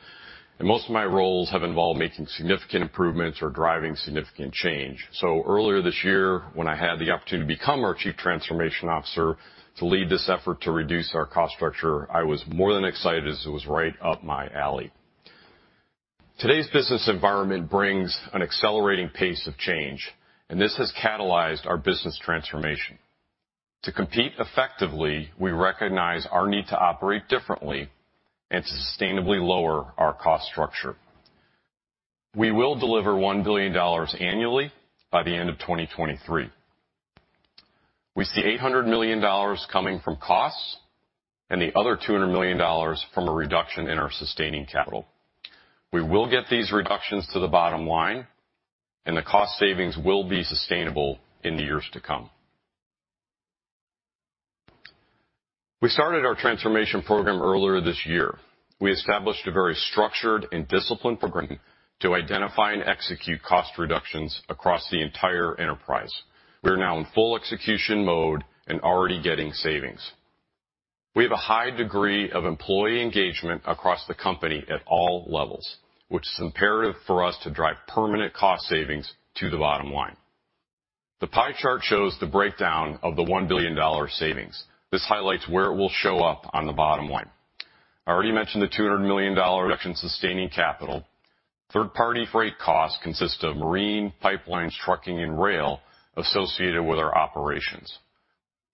Most of my roles have involved making significant improvements or driving significant change. Earlier this year, when I had the opportunity to become our chief transformation officer to lead this effort to reduce our cost structure, I was more than excited as it was right up my alley. Today's business environment brings an accelerating pace of change, and this has catalyzed our business transformation. To compete effectively, we recognize our need to operate differently and to sustainably lower our cost structure. We will deliver $1 billion annually by the end of 2023. We see $800 million coming from costs and the other $200 million from a reduction in our sustaining capital. We will get these reductions to the bottom line, and the cost savings will be sustainable in the years to come. We started our transformation program earlier this year. We established a very structured and disciplined program to identify and execute cost reductions across the entire enterprise. We are now in full execution mode and already getting savings. We have a high degree of employee engagement across the company at all levels, which is imperative for us to drive permanent cost savings to the bottom line. The pie chart shows the breakdown of the $1 billion savings. This highlights where it will show up on the bottom line. I already mentioned the $200 million reduction in sustaining capital. Third-party freight costs consist of marine, pipelines, trucking, and rail associated with our operations.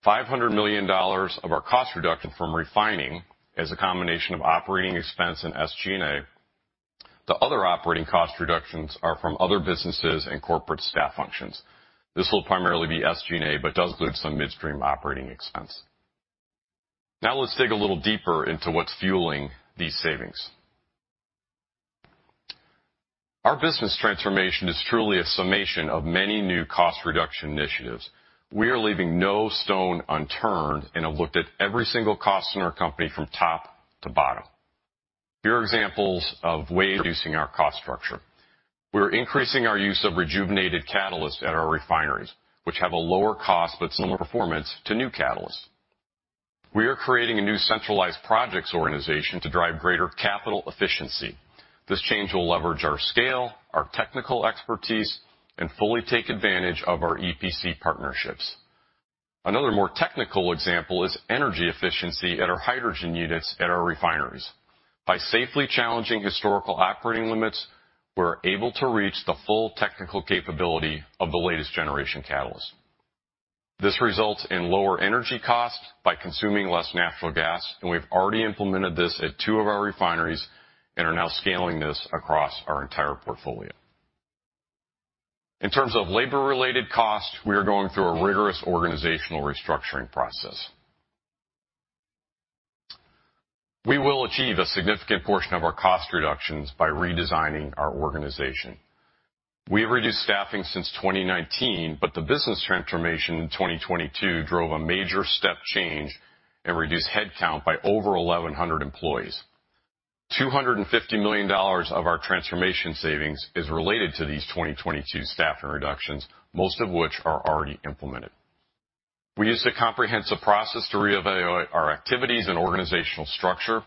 $500 million of our cost reduction from refining is a combination of operating expense and SG&A. The other operating cost reductions are from other businesses and corporate staff functions. This will primarily be SG&A, but does include some midstream operating expense. Now let's dig a little deeper into what's fueling these savings. Our business transformation is truly a summation of many new cost reduction initiatives. We are leaving no stone unturned and have looked at every single cost in our company from top to bottom. Here are examples of ways reducing our cost structure. We're increasing our use of rejuvenated catalysts at our refineries, which have a lower cost but similar performance to new catalysts. We are creating a new centralized projects organization to drive greater capital efficiency. This change will leverage our scale, our technical expertise, and fully take advantage of our EPC partnerships. Another more technical example is energy efficiency at our hydrogen units at our refineries. By safely challenging historical operating limits, we're able to reach the full technical capability of the latest generation catalyst. This results in lower energy costs by consuming less natural gas, and we've already implemented this at two of our refineries and are now scaling this across our entire portfolio. In terms of labor-related costs, we are going through a rigorous organizational restructuring process. We will achieve a significant portion of our cost reductions by redesigning our organization. We have reduced staffing since 2019, but the business transformation in 2022 drove a major step change and reduced headcount by over 1,100 employees. $250 million of our transformation savings is related to these 2022 staffing reductions, most of which are already implemented. We used a comprehensive process to reevaluate our activities and organizational structure.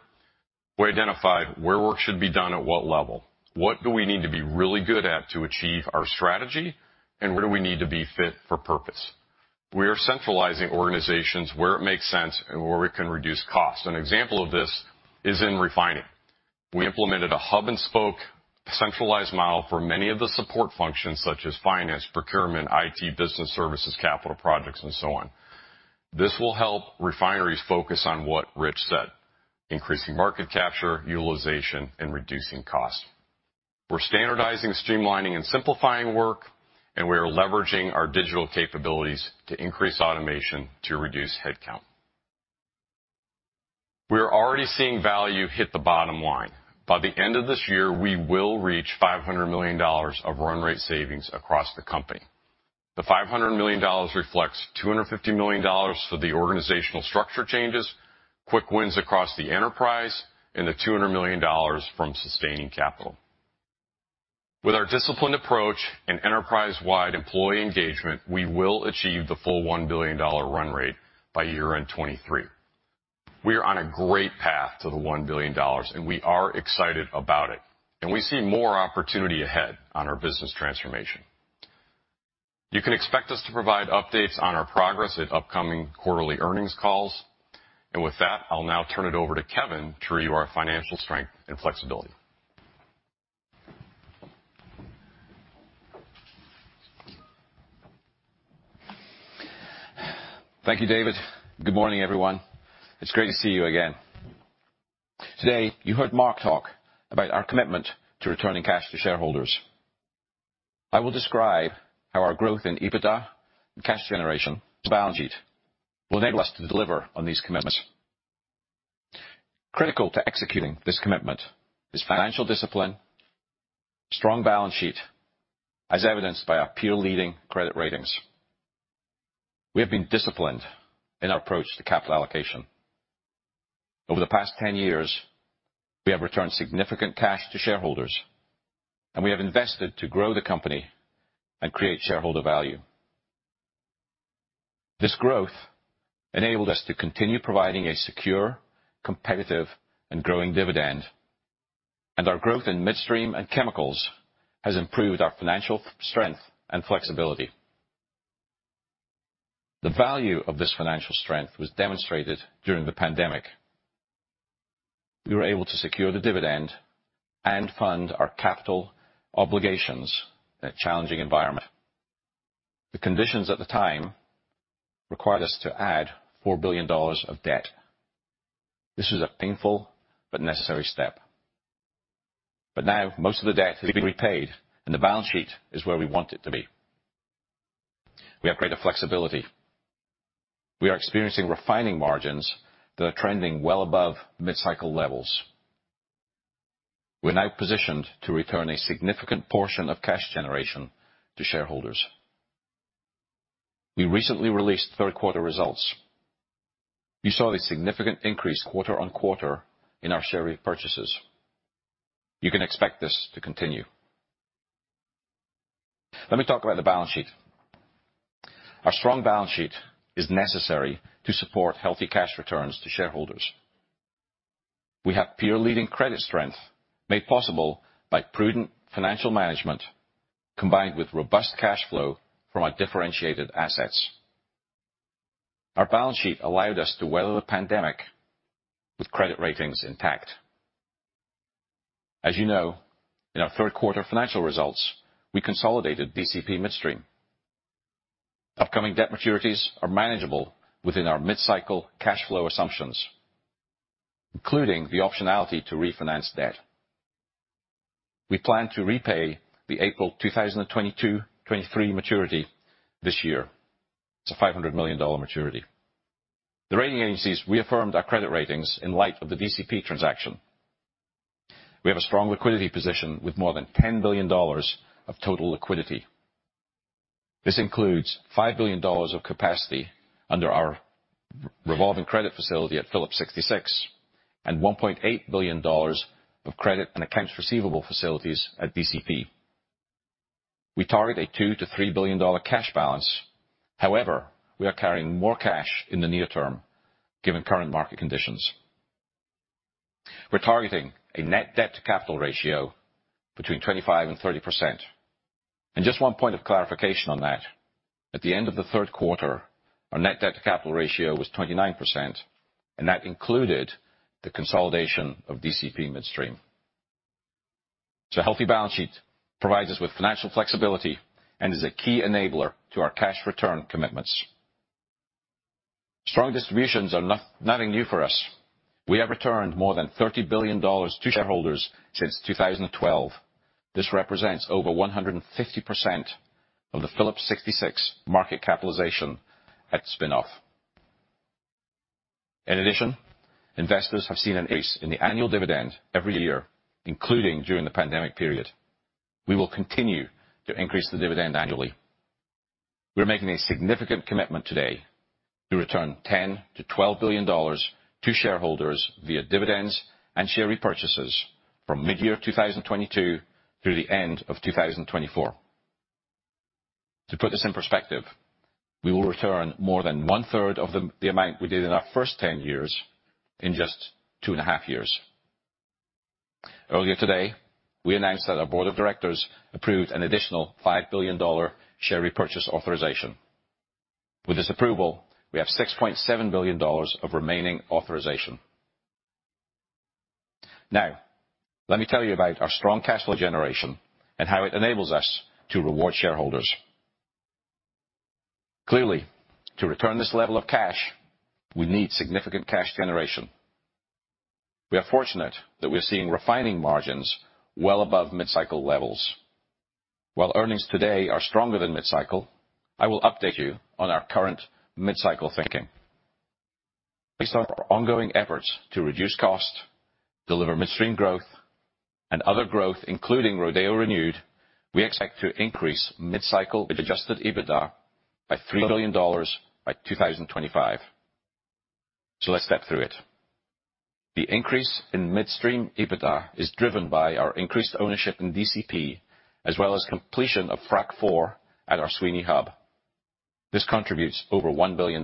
We identified where work should be done at what level. What do we need to be really good at to achieve our strategy? Where do we need to be fit for purpose? We are centralizing organizations where it makes sense and where we can reduce cost. An example of this is in refining. We implemented a hub and spoke centralized model for many of the support functions such as finance, procurement, IT, business services, capital projects, and so on. This will help refineries focus on what Rich said, increasing market capture, utilization, and reducing costs. We're standardizing, streamlining, and simplifying work, and we are leveraging our digital capabilities to increase automation to reduce headcount. We are already seeing value hit the bottom line. By the end of this year, we will reach $500 million of run rate savings across the company. The $500 million reflects $250 million for the organizational structure changes, quick wins across the enterprise, and the $200 million from sustaining capital. With our disciplined approach and enterprise-wide employee engagement, we will achieve the full $1 billion run rate by year-end 2023. We are on a great path to the $1 billion, and we are excited about it. We see more opportunity ahead on our business transformation. You can expect us to provide updates on our progress at upcoming quarterly earnings calls. With that, I'll now turn it over to Kevin to review our financial strength and flexibility. Thank you, David. Good morning, everyone. It's great to see you again. Today, you heard Mark talk about our commitment to returning cash to shareholders. I will describe how our growth in EBITDA and cash generation balance sheet will enable us to deliver on these commitments. Critical to executing this commitment is financial discipline, strong balance sheet, as evidenced by our peer-leading credit ratings. We have been disciplined in our approach to capital allocation. Over the past 10 years, we have returned significant cash to shareholders, and we have invested to grow the company and create shareholder value. This growth enabled us to continue providing a secure, competitive, and growing dividend. Our growth in midstream and chemicals has improved our financial strength and flexibility. The value of this financial strength was demonstrated during the pandemic. We were able to secure the dividend and fund our capital obligations in a challenging environment. The conditions at the time required us to add $4 billion of debt. This was a painful but necessary step. Now most of the debt has been repaid, and the balance sheet is where we want it to be. We have greater flexibility. We are experiencing refining margins that are trending well above mid-cycle levels. We're now positioned to return a significant portion of cash generation to shareholders. We recently released third-quarter results. You saw the significant increase quarter-over-quarter in our share repurchases. You can expect this to continue. Let me talk about the balance sheet. Our strong balance sheet is necessary to support healthy cash returns to shareholders. We have peer-leading credit strength made possible by prudent financial management, combined with robust cash flow from our differentiated assets. Our balance sheet allowed us to weather the pandemic with credit ratings intact. As you know, in our third-quarter financial results, we consolidated DCP Midstream. Upcoming debt maturities are manageable within our mid-cycle cash flow assumptions, including the optionality to refinance debt. We plan to repay the April 2022-23 maturity this year. It's a $500 million maturity. The rating agencies reaffirmed our credit ratings in light of the DCP transaction. We have a strong liquidity position with more than $10 billion of total liquidity. This includes $5 billion of capacity under our revolving credit facility at Phillips 66 and $1.8 billion of credit and accounts receivable facilities at DCP. We target a $2-$3 billion cash balance. However, we are carrying more cash in the near term given current market conditions. We're targeting a net debt to capital ratio between 25%-30%. Just one point of clarification on that. At the end of the third quarter, our net debt to capital ratio was 29%, and that included the consolidation of DCP Midstream. It's a healthy balance sheet, provides us with financial flexibility, and is a key enabler to our cash return commitments. Strong distributions are nothing new for us. We have returned more than $30 billion to shareholders since 2012. This represents over 150% of the Phillips 66 market capitalization at spinoff. In addition, investors have seen an increase in the annual dividend every year, including during the pandemic period. We will continue to increase the dividend annually. We're making a significant commitment today to return $10-$12 billion to shareholders via dividends and share repurchases from midyear 2022 through the end of 2024. To put this in perspective, we will return more than one-third of the amount we did in our first 10 years in just 2.5 years. Earlier today, we announced that our board of directors approved an additional $5 billion dollar share repurchase authorization. With this approval, we have $6.7 billion of remaining authorization. Now, let me tell you about our strong cash flow generation and how it enables us to reward shareholders. Clearly, to return this level of cash, we need significant cash generation. We are fortunate that we're seeing refining margins well above mid-cycle levels. While earnings today are stronger than mid-cycle, I will update you on our current mid-cycle thinking. Based on our ongoing efforts to reduce cost, deliver midstream growth, and other growth, including Rodeo Renewed, we expect to increase mid-cycle Adjusted EBITDA by $3 billion by 2025. Let's step through it. The increase in midstream EBITDA is driven by our increased ownership in DCP, as well as completion of Frac IV at our Sweeney Hub. This contributes over $1 billion.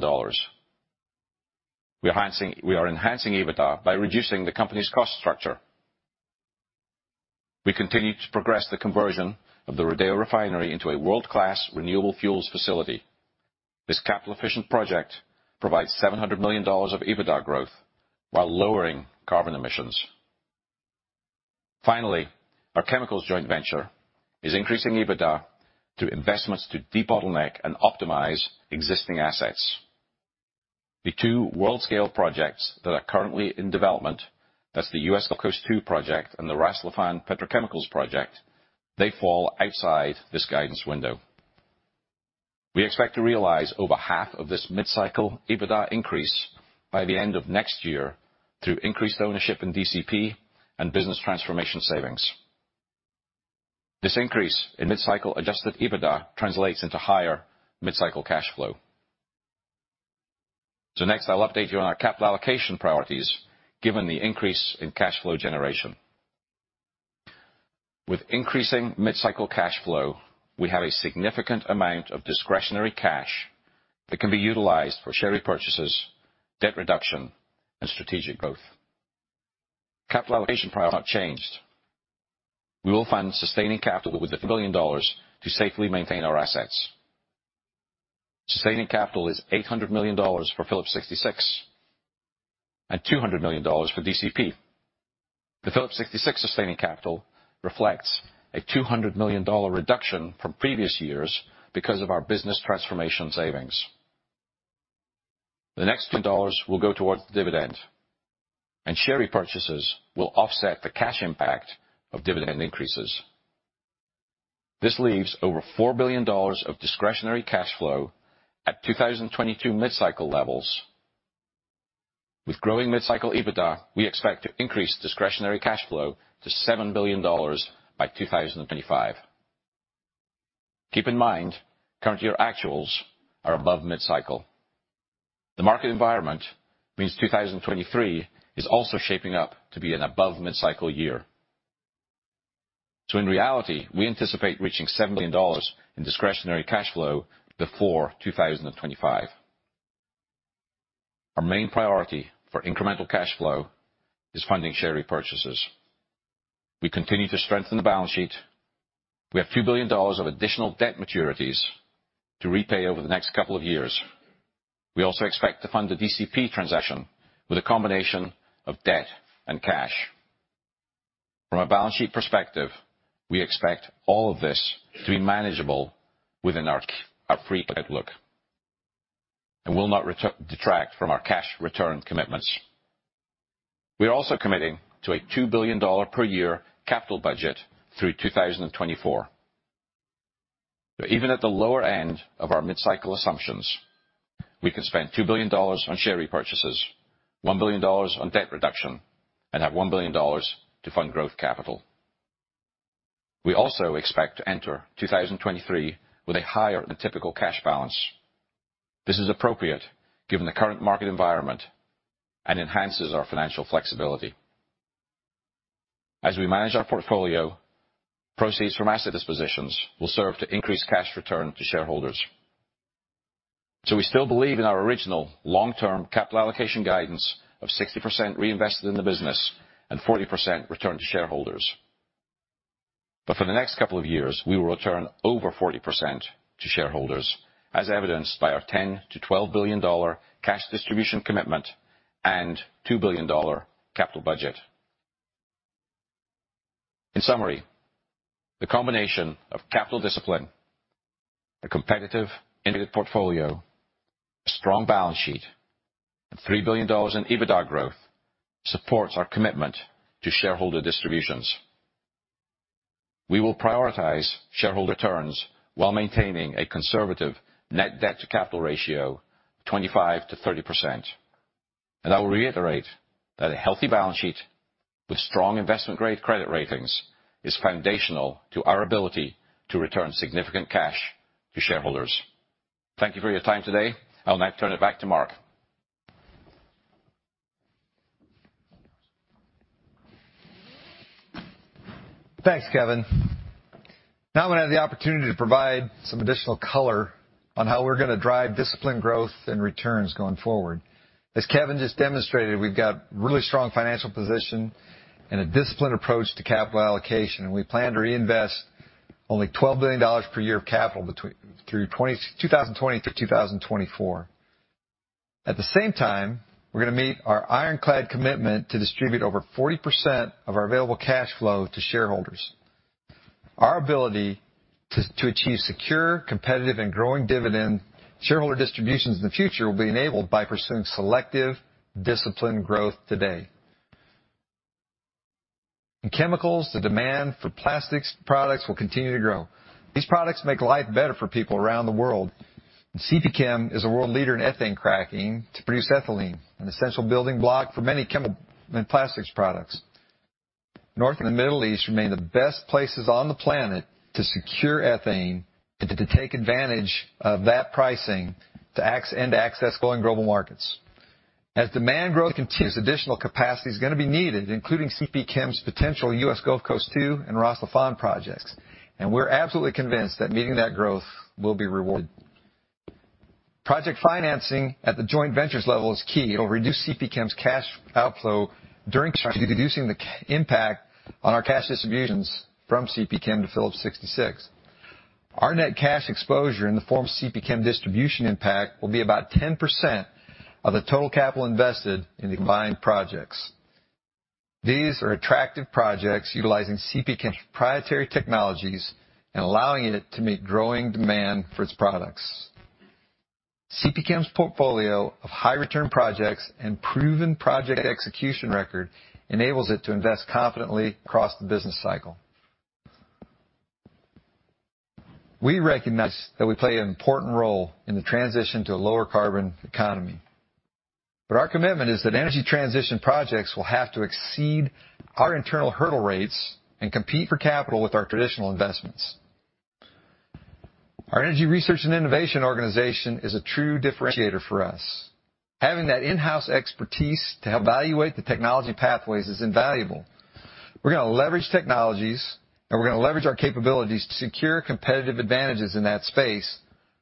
We are enhancing EBITDA by reducing the company's cost structure. We continue to progress the conversion of the Rodeo Refinery into a world-class renewable fuels facility. This capital-efficient project provides $700 million of EBITDA growth while lowering carbon emissions. Finally, our chemicals joint venture is increasing EBITDA through investments to debottleneck and optimize existing assets. The two world-scale projects that are currently in development, that's the U.S. Gulf Coast II Petrochemical Project and the Ras Laffan Petrochemicals project, they fall outside this guidance window. We expect to realize over half of this mid-cycle EBITDA increase by the end of next year through increased ownership in DCP and business transformation savings. This increase in mid-cycle Adjusted EBITDA translates into higher mid-cycle cash flow. Next, I'll update you on our capital allocation priorities given the increase in cash flow generation. With increasing mid-cycle cash flow, we have a significant amount of discretionary cash that can be utilized for share repurchases, debt reduction, and strategic growth. Capital allocation priorities have not changed. We will fund sustaining capital with $1 billion to safely maintain our assets. Sustaining capital is $800 million for Phillips 66 and $200 million for DCP. The Phillips 66 sustaining capital reflects a $200 million reduction from previous years because of our business transformation savings. The next $2 will go towards the dividend, and share repurchases will offset the cash impact of dividend increases. This leaves over $4 billion of discretionary cash flow at 2022 mid-cycle levels. With growing mid-cycle EBITDA, we expect to increase discretionary cash flow to $7 billion by 2025. Keep in mind, current year actuals are above mid-cycle. The market environment means 2023 is also shaping up to be an above mid-cycle year. In reality, we anticipate reaching $7 billion in discretionary cash flow before 2025. Our main priority for incremental cash flow is funding share repurchases. We continue to strengthen the balance sheet. We have $ 2 few billion of additional debt maturities to repay over the next couple of years. We also expect to fund the DCP transaction with a combination of debt and cash. From a balance sheet perspective, we expect all of this to be manageable within our free cash flow outlook and will not detract from our cash return commitments. We are also committing to a $2 billion dollar per year capital budget through 2024. Even at the lower end of our mid-cycle assumptions, we can spend $2 billion on share repurchases, $1 billion on debt reduction, and have $1 billion to fund growth capital. We also expect to enter 2023 with a higher-than-typical cash balance. This is appropriate given the current market environment and enhances our financial flexibility. As we manage our portfolio, proceeds from asset dispositions will serve to increase cash return to shareholders. We still believe in our original long-term capital allocation guidance of 60% reinvested in the business and 40% returned to shareholders. For the next couple of years, we will return over 40% to shareholders, as evidenced by our $10-$12 billion cash distribution commitment and $2 billion capital budget. In summary, the combination of capital discipline, a competitive integrated portfolio, a strong balance sheet, and $3 billion in EBITDA growth supports our commitment to shareholder distributions. We will prioritize shareholder returns while maintaining a conservative net debt to capital ratio of 25%-30%. I will reiterate that a healthy balance sheet with strong investment-grade credit ratings is foundational to our ability to return significant cash to shareholders. Thank you for your time today. I'll now turn it back to Mark Lashier. Thanks, Kevin. Now I'm going to have the opportunity to provide some additional color on how we're going to drive disciplined growth and returns going forward. As Kevin just demonstrated, we've got really strong financial position and a disciplined approach to capital allocation, and we plan to reinvest only $12 billion per year of capital between 2020 through 2024. At the same time, we're gonna meet our ironclad commitment to distribute over 40% of our available cash flow to shareholders. Our ability to achieve secure, competitive, and growing dividend shareholder distributions in the future will be enabled by pursuing selective disciplined growth today. In chemicals, the demand for plastics products will continue to grow. These products make life better for people around the world, and CPChem is a world leader in ethane cracking to produce ethylene, an essential building block for many chemical and plastics products. North and the Middle East remain the best places on the planet to secure ethane and to take advantage of that pricing and to access growing global markets. As demand growth continues, additional capacity is gonna be needed, including CPChem's potential U.S. Gulf Coast II and Ras Laffan projects, and we're absolutely convinced that meeting that growth will be rewarded. Project financing at the joint ventures level is key. It'll reduce CPChem's cash outflow during construction, reducing the impact on our cash distributions from CPChem to Phillips 66. Our net cash exposure in the form of CPChem distribution impact will be about 10% of the total capital invested in the combined projects. These are attractive projects utilizing CPChem's proprietary technologies and allowing it to meet growing demand for its products. CPChem's portfolio of high return projects and proven project execution record enables it to invest confidently across the business cycle. We recognize that we play an important role in the transition to a lower carbon economy, but our commitment is that energy transition projects will have to exceed our internal hurdle rates and compete for capital with our traditional investments. Our energy research and innovation organization is a true differentiator for us. Having that in-house expertise to evaluate the technology pathways is invaluable. We're gonna leverage technologies, and we're gonna leverage our capabilities to secure competitive advantages in that space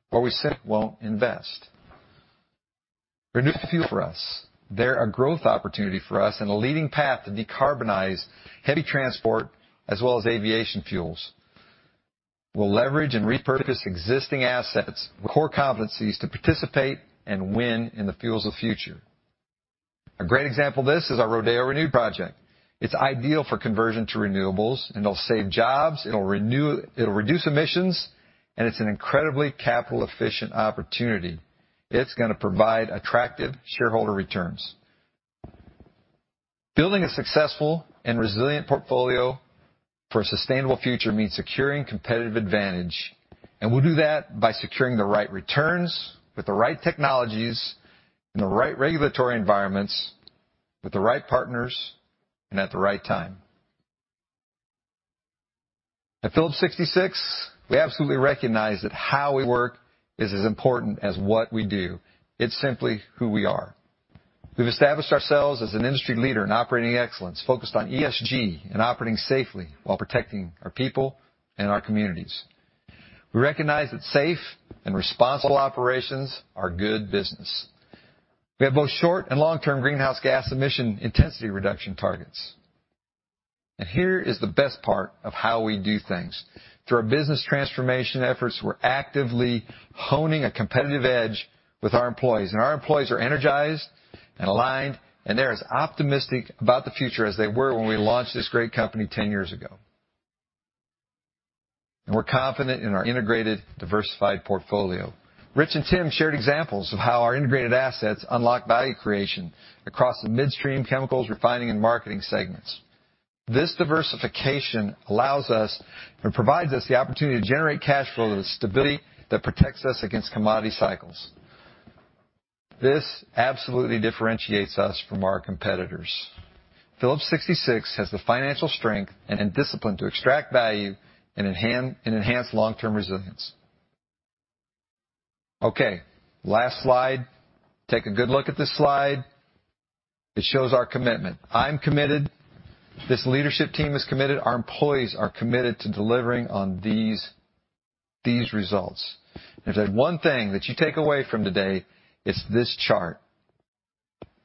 where we simply won't invest. Renewables are key for us. They're a growth opportunity for us and a leading path to decarbonize heavy transport as well as aviation fuels. We'll leverage and repurpose existing assets with core competencies to participate and win in the fuels of the future. A great example of this is our Rodeo Renewed project. It's ideal for conversion to renewables, and it'll save jobs, it'll reduce emissions, and it's an incredibly capital efficient opportunity. It's gonna provide attractive shareholder returns. Building a successful and resilient portfolio for a sustainable future means securing competitive advantage, and we'll do that by securing the right returns with the right technologies in the right regulatory environments with the right partners and at the right time. At Phillips 66, we absolutely recognize that how we work is as important as what we do. It's simply who we are. We've established ourselves as an industry leader in operating excellence, focused on ESG and operating safely while protecting our people and our communities. We recognize that safe and responsible operations are good business. We have both short and long-term greenhouse gas emission intensity reduction targets. Here is the best part of how we do things. Through our business transformation efforts, we're actively honing a competitive edge with our employees, and our employees are energized and aligned, and they're as optimistic about the future as they were when we launched this great company ten years ago. We're confident in our integrated, diversified portfolio. Rich and Tim shared examples of how our integrated assets unlock value creation across the midstream, chemicals, refining, and marketing segments. This diversification allows us and provides us the opportunity to generate cash flow with a stability that protects us against commodity cycles. This absolutely differentiates us from our competitors. Phillips 66 has the financial strength and discipline to extract value and enhance long-term resilience. Okay, last slide. Take a good look at this slide. It shows our commitment. I'm committed, this leadership team is committed, our employees are committed to delivering on these results. If there's one thing that you take away from today, it's this chart.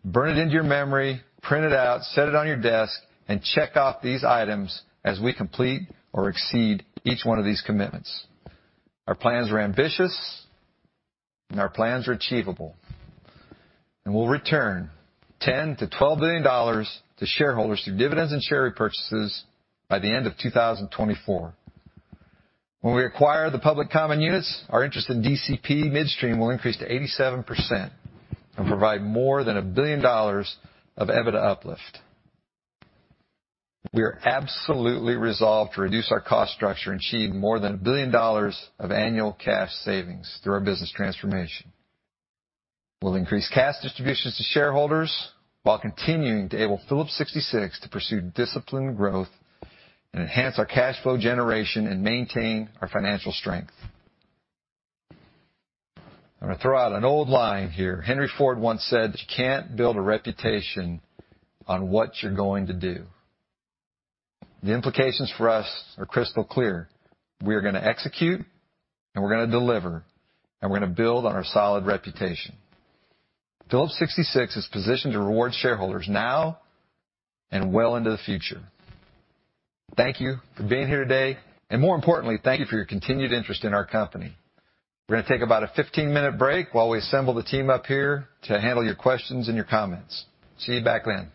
Burn it into your memory, print it out, set it on your desk, and check off these items as we complete or exceed each one of these commitments. Our plans are ambitious, and our plans are achievable. We'll return $10-$12 billion to shareholders through dividends and share repurchases by the end of 2024. When we acquire the public common units, our interest in DCP Midstream will increase to 87% and provide more than $1 billion of EBITDA uplift. We are absolutely resolved to reduce our cost structure and achieve more than $1 billion of annual cash savings through our business transformation. We'll increase cash distributions to shareholders while continuing to enable Phillips 66 to pursue disciplined growth and enhance our cash flow generation and maintain our financial strength. I'm gonna throw out an old line here. Henry Ford once said that you can't build a reputation on what you're going to do. The implications for us are crystal clear. We're gonna execute, and we're gonna deliver, and we're gonna build on our solid reputation. Phillips 66 is positioned to reward shareholders now and well into the future. Thank you for being here today, and more importantly, thank you for your continued interest in our company. We're gonna take about a 15-minute break while we assemble the team up here to handle your questions and your comments. See you back then.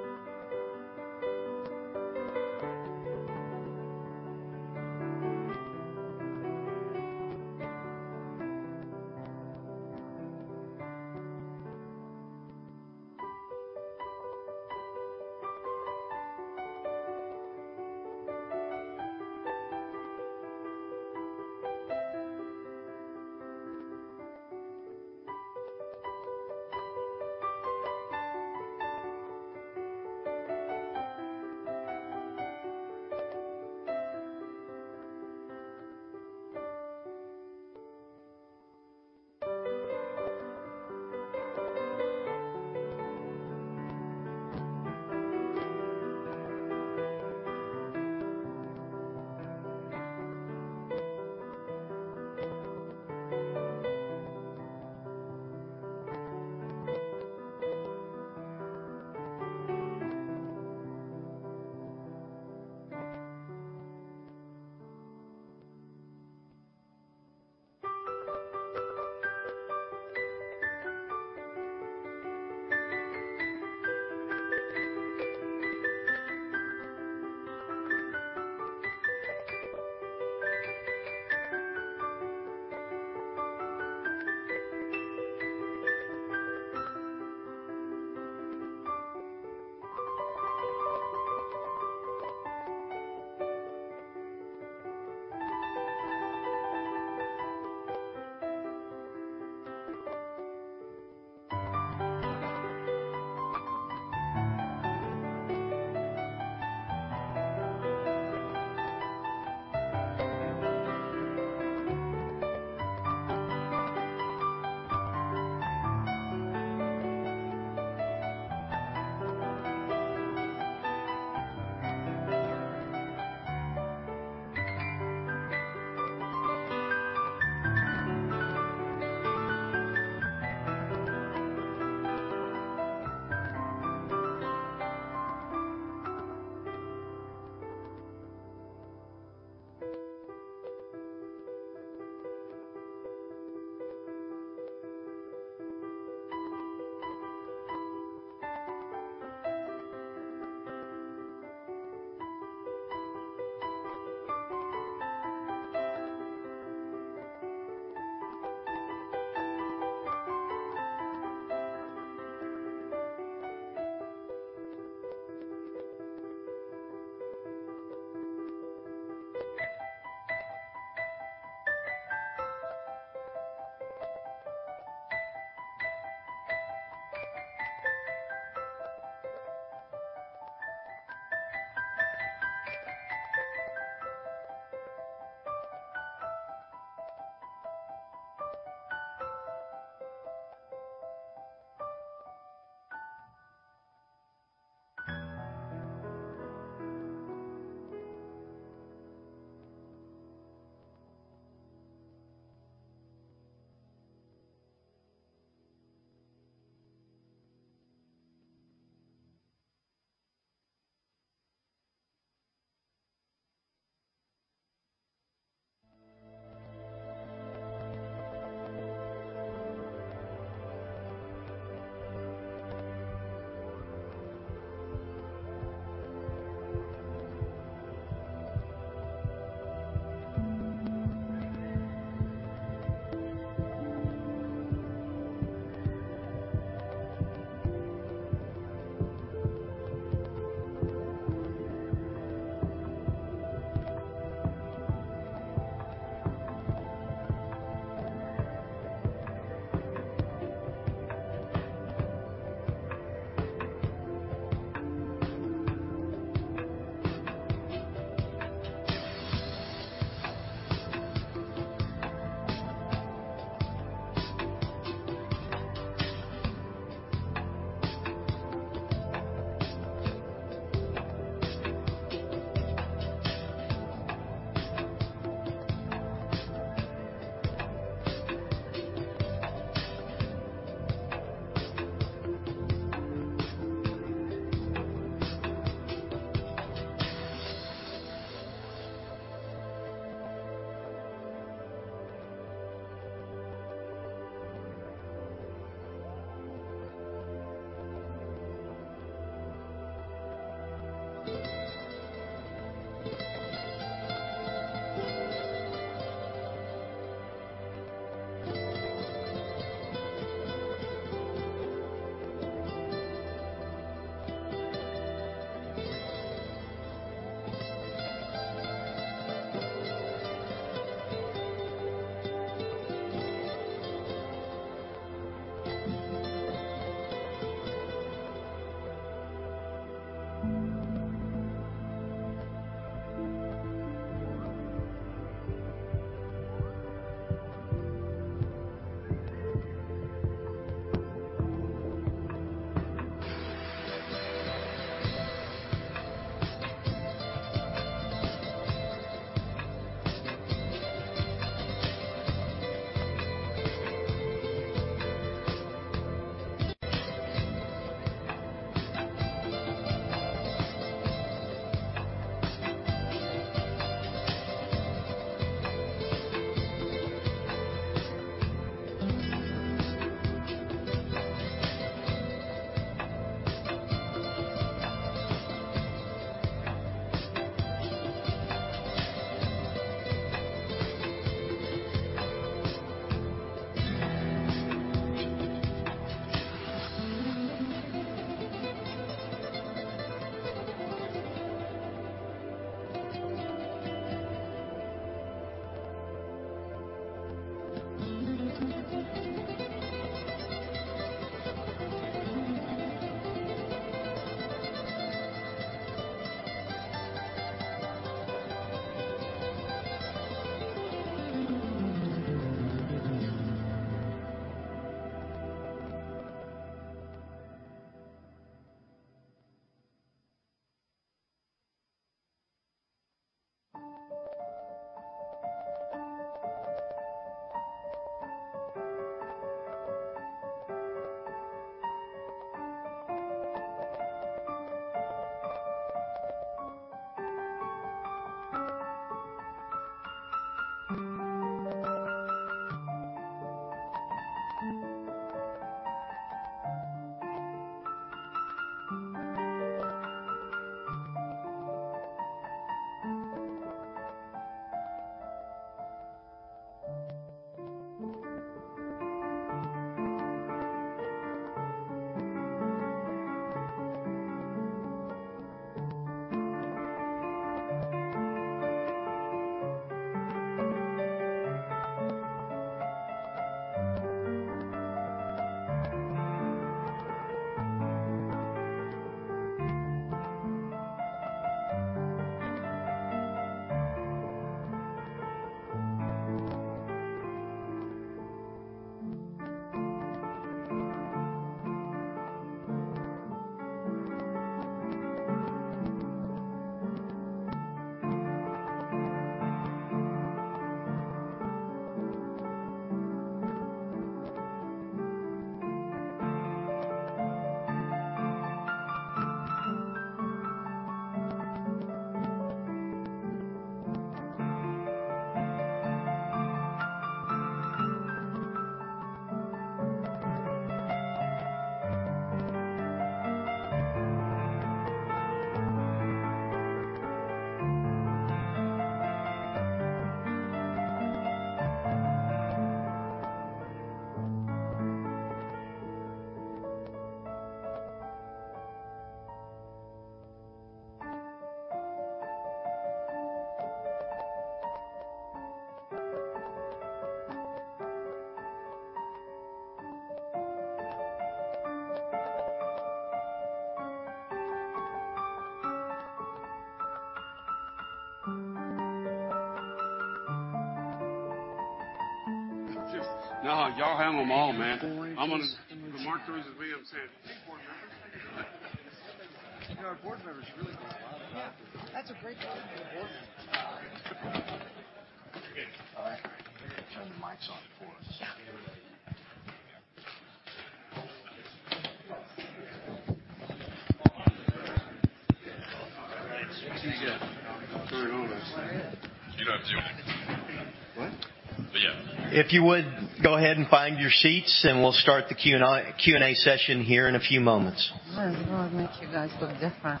If you would go ahead and find your seats, and we'll start the Q&A session here in a few moments. Oh, makes you guys look different.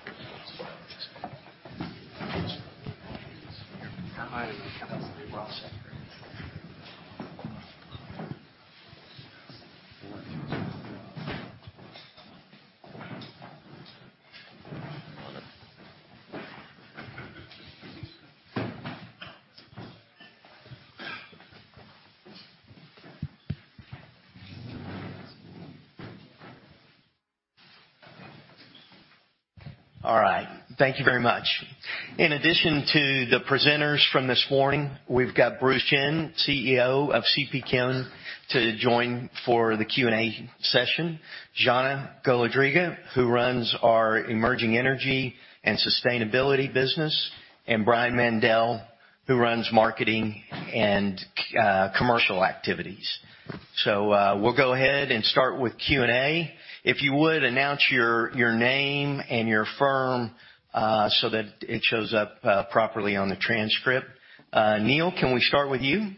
All right. Thank you very much. In addition to the presenters from this morning, we've got Bruce Chinn, CEO of CP Chem, to join for the Q&A session. Zhanna Golodryga, who runs our emerging energy and sustainability business, and Brian Mandell, who runs marketing and commercial activities. We'll go ahead and start with Q&A. If you would announce your name and your firm so that it shows up properly on the transcript. Neil, can we start with you?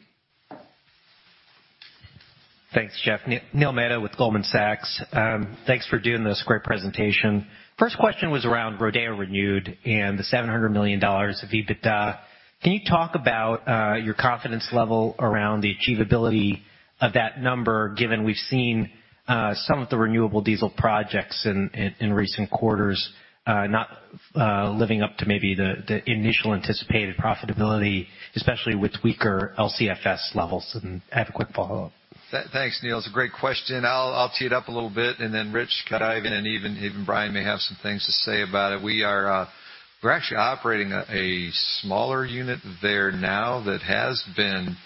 Thanks, Jeff. Neil Mehta with Goldman Sachs. Thanks for doing this great presentation. First question was around Rodeo Renewed and the $700 million of EBITDA. Can you talk about your confidence level around the achievability of that number, given we've seen some of the renewable diesel projects in recent quarters not living up to maybe the initial anticipated profitability, especially with weaker LCFS levels? I have a quick follow-up. Thanks, Neil. It's a great question. I'll tee it up a little bit, and then Rich can dive in, and even Brian may have some things to say about it. We're actually operating a smaller unit there now that has been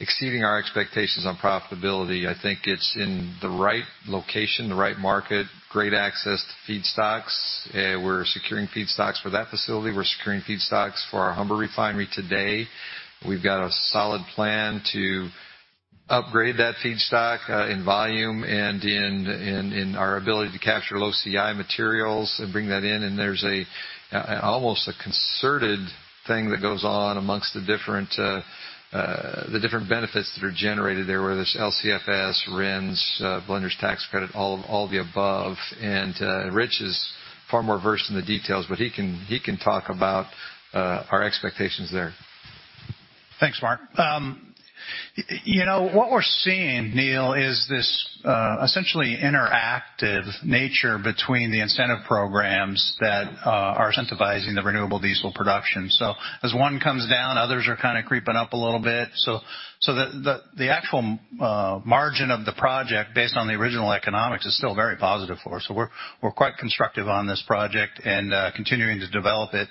exceeding our expectations on profitability. I think it's in the right location, the right market, great access to feedstocks. We're securing feedstocks for that facility. We're securing feedstocks for our Humber refinery today. We've got a solid plan to upgrade that feedstock in volume and in our ability to capture low CI materials and bring that in. There's almost a concerted thing that goes on amongst the different benefits that are generated there, whether it's LCFS, RINs, Blenders' Tax Credit, all the above. Rich is far more versed in the details, but he can talk about our expectations there. Thanks, Mark. You know, what we're seeing, Neil, is this essentially interactive nature between the incentive programs that are incentivizing the renewable diesel production. As one comes down, others are kinda creeping up a little bit. The actual margin of the project based on the original economics is still very positive for us. We're quite constructive on this project and continuing to develop it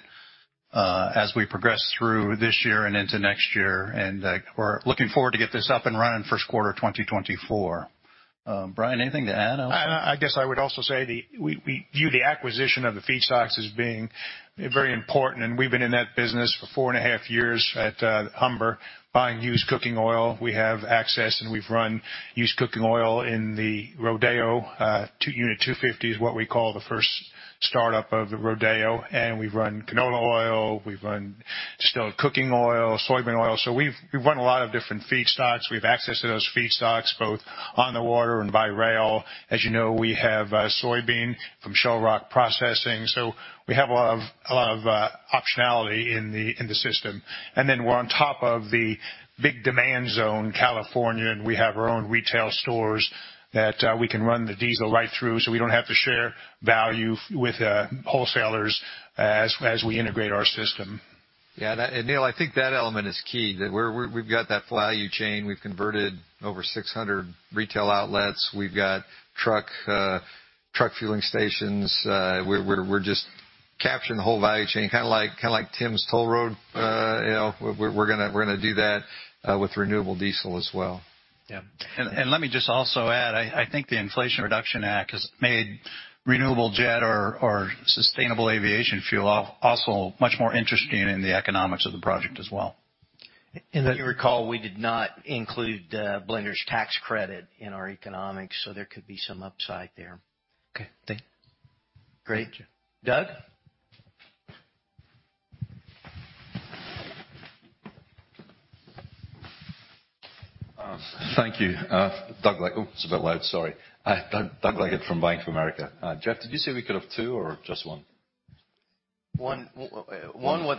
as we progress through this year and into next year. We're looking forward to get this up and running first quarter of 2024. Brian, anything to add? I guess I would also say we view the acquisition of the feedstocks as being very important, and we've been in that business for 4.5 years at Humber, buying used cooking oil. We have access, and we've run used cooking oil in the Rodeo. Unit 250 is what we call the first startup of the Rodeo, and we've run canola oil, we've run distillers corn oil, soybean oil. We've run a lot of different feedstocks. We have access to those feedstocks both on the water and by rail. As you know, we have soybean from Shell Rock Soy Processing. We have a lot of optionality in the system. We're on top of the big demand zone, California, and we have our own retail stores that we can run the diesel right through, so we don't have to share value with wholesalers as we integrate our system. Yeah, that Neil, I think that element is key, that we've got that value chain. We've converted over 600 retail outlets. We've got truck fueling stations. We're just capturing the whole value chain, kinda like Tim's Toll Road. You know, we're gonna do that with renewable diesel as well. Yeah. Let me just also add, I think the Inflation Reduction Act has made renewable jet or sustainable aviation fuel also much more interesting in the economics of the project as well. If you recall, we did not include Blenders' Tax Credit in our economics, so there could be some upside there. Okay. Thank you. Great. Doug? Thank you. Doug Leggate from Bank of America. Jeff, did you say we could have two or just one? One with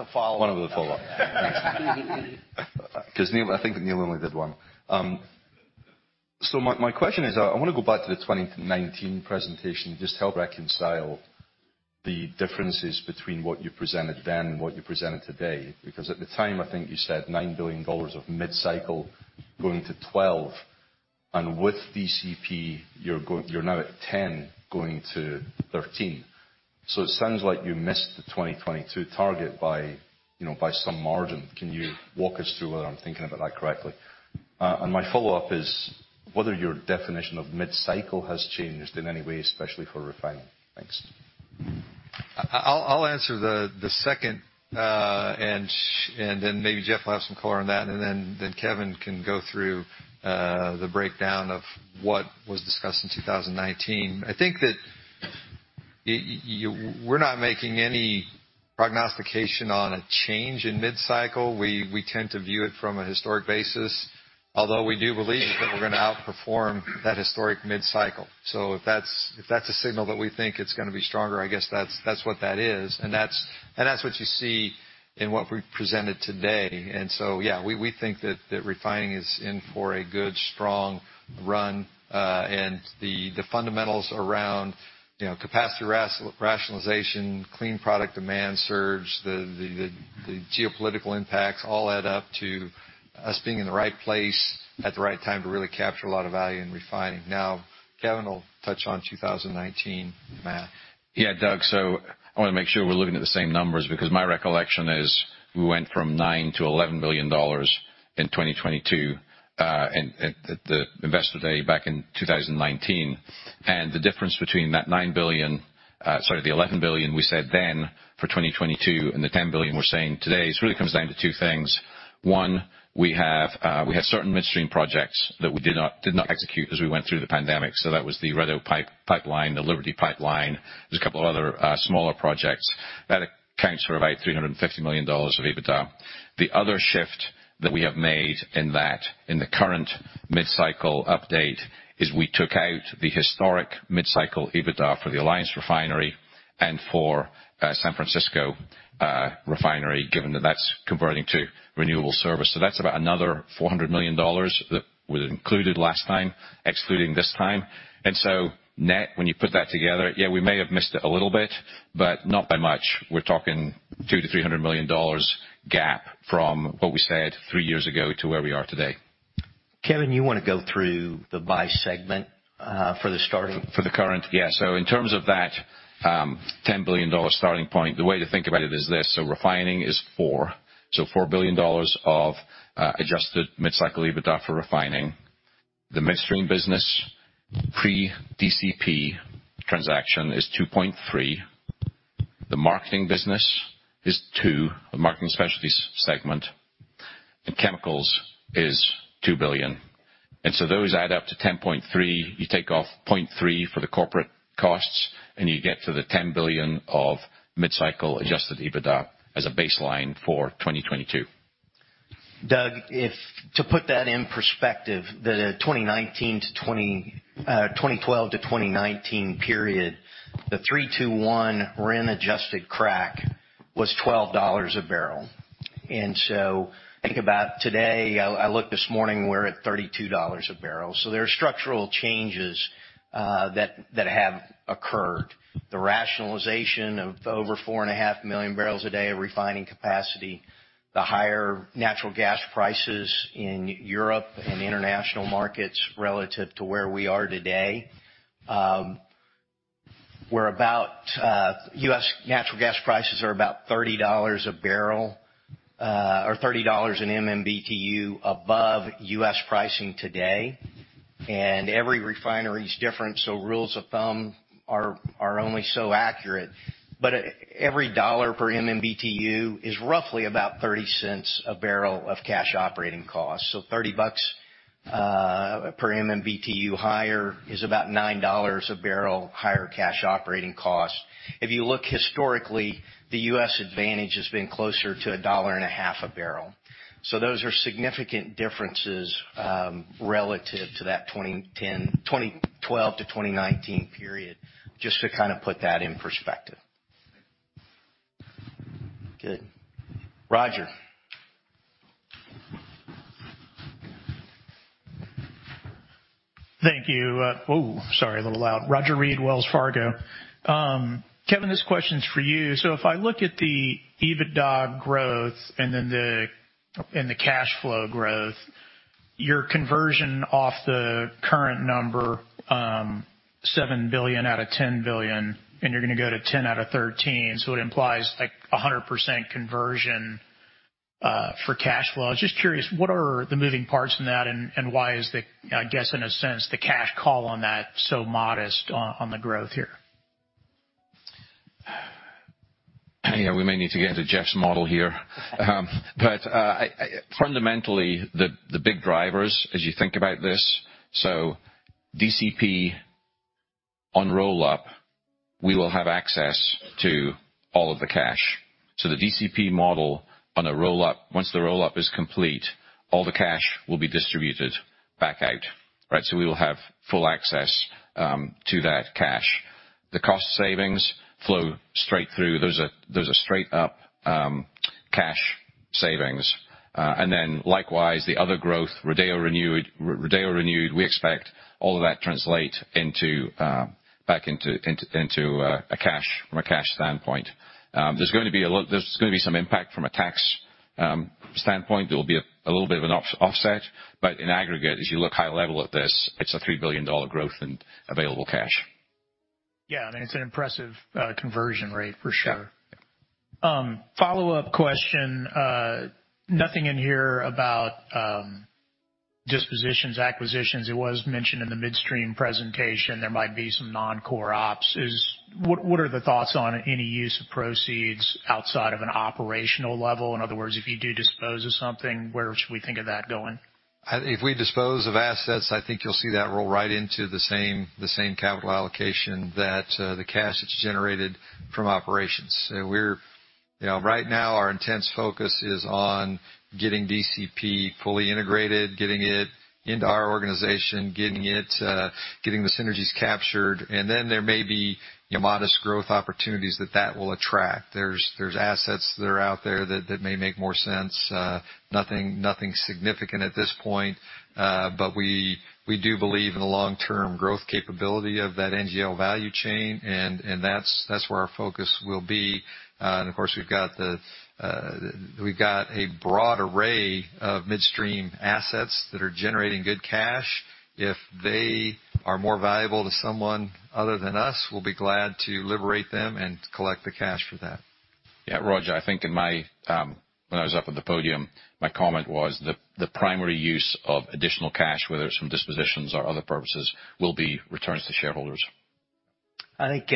a follow-up. One with a follow-up. 'Cause Neil, I think that Neil only did one. So my question is, I wanna go back to the 2019 presentation and just help reconcile the differences between what you presented then and what you presented today. Because at the time, I think you said $9 billion of mid-cycle going to $12 billion. With DCP, you're now at $10 billion going to $13 billion. So it sounds like you missed the 2022 target by, you know, by some margin. Can you walk us through whether I'm thinking about that correctly? And my follow-up is whether your definition of mid-cycle has changed in any way, especially for refining. Thanks. I'll answer the second, and then maybe Jeff will have some color on that, and then Kevin can go through the breakdown of what was discussed in 2019. I think that we're not making any prognostication on a change in mid-cycle. We tend to view it from a historic basis, although we do believe that we're gonna outperform that historic mid-cycle. If that's a signal that we think it's gonna be stronger, I guess that's what that is. That's what you see in what we presented today. Yeah, we think that refining is in for a good, strong run. The fundamentals around, you know, capacity rationalization, clean product demand surge, the geopolitical impacts all add up to us being in the right place at the right time to really capture a lot of value in refining. Now, Jeff will touch on 2019 math. Yeah, Doug, I wanna make sure we're looking at the same numbers because my recollection is we went from $9-$11 billion in 2022 at the investor day back in 2019. The difference between that $9 billion, the $11 billion we said then for 2022 and the $10 billion we're saying today, this really comes down to two things. One, we had certain midstream projects that we did not execute as we went through the pandemic. That was the Rodeo Pipeline, the Liberty Pipeline. There's a couple other smaller projects. That accounts for about $350 million of EBITDA. The other shift that we have made in that, in the current mid-cycle update is we took out the historic mid-cycle EBITDA for the Alliance refinery and for San Francisco refinery, given that that's converting to renewable service. That's about another $400 million that was included last time, excluding this time. Net, when you put that together, yeah, we may have missed it a little bit, but not by much. We're talking $200 million-$300 million gap from what we said three years ago to where we are today. Kevin, you wanna go through the by segment for starters? For the current. Yeah. In terms of that, $10 billion starting point, the way to think about it is this. Refining is four. Four billion dollars of adjusted mid-cycle EBITDA for refining. The midstream business pre-DCP transaction is 2.3. The marketing business is two, the marketing specialties segment. Chemicals is $2 billion. Those add up to 10.3. You take off 0.3 for the corporate costs, and you get to the $10 billion of mid-cycle Adjusted EBITDA as a baseline for 2022. To put that in perspective, the 2012 to 2019 period, the 3-2-1 RIN-adjusted crack was $12 a barrel. Think about today, I looked this morning, we're at $32 a barrel. There are structural changes that have occurred. The rationalization of over 4.5 million barrels a day of refining capacity, the higher natural gas prices in Europe and international markets relative to where we are today. Natural gas prices are about $30 per MMBtu above U.S. pricing today. Every refinery is different, so rules of thumb are only so accurate. Every dollar per MMBtu is roughly about $0.30 cents a barrel of cash operating costs. $30 per MMBtu higher is about $9 a barrel higher cash operating cost. If you look historically, the US advantage has been closer to $1.50 a barrel. Those are significant differences relative to that 2012-2019 period, just to kind of put that in perspective. Good. Roger. Thank you. Sorry, a little loud. Roger Read, Wells Fargo. Kevin, this question's for you. If I look at the EBITDA growth and then the cash flow growth, your conversion off the current number $7 billion out of $10 billion, and you're gonna go to $10 billion out of $13 billion, it implies like 100% conversion for cash flow. I was just curious, what are the moving parts in that and why is the guess, in a sense, the cash call on that so modest on the growth here? Yeah, we may need to get into Jeff's model here. Fundamentally, the big drivers as you think about this. DCP on roll-up, we will have access to all of the cash. The DCP model on a roll-up, once the roll-up is complete, all the cash will be distributed back out, right? We will have full access to that cash. The cost savings flow straight through. Those are straight up cash savings. Likewise, the other growth, Rodeo Renewed, we expect all of that translate into back into a cash from a cash standpoint. There's gonna be some impact from a tax standpoint. There will be a little bit of an offset, but in aggregate, as you look high-level at this, it's a $3 billion growth in available cash. Yeah. I mean, it's an impressive conversion rate for sure. Yeah. Follow-up question. Nothing in here about dispositions, acquisitions. It was mentioned in the midstream presentation there might be some non-core ops. What are the thoughts on any use of proceeds outside of an operational level? In other words, if you do dispose of something, where should we think of that going? If we dispose of assets, I think you'll see that roll right into the same capital allocation that the cash that's generated from operations. You know, right now, our intense focus is on getting DCP fully integrated, getting it into our organization, getting the synergies captured. Then there may be modest growth opportunities that will attract. There's assets that are out there that may make more sense. Nothing significant at this point. But we do believe in the long-term growth capability of that NGL value chain, and that's where our focus will be. Of course, we've got a broad array of midstream assets that are generating good cash. If they are more valuable to someone other than us, we'll be glad to liberate them and collect the cash for that. Yeah. Roger, I think in my when I was up at the podium, my comment was the primary use of additional cash, whether it's from dispositions or other purposes, will be returns to shareholders. I think,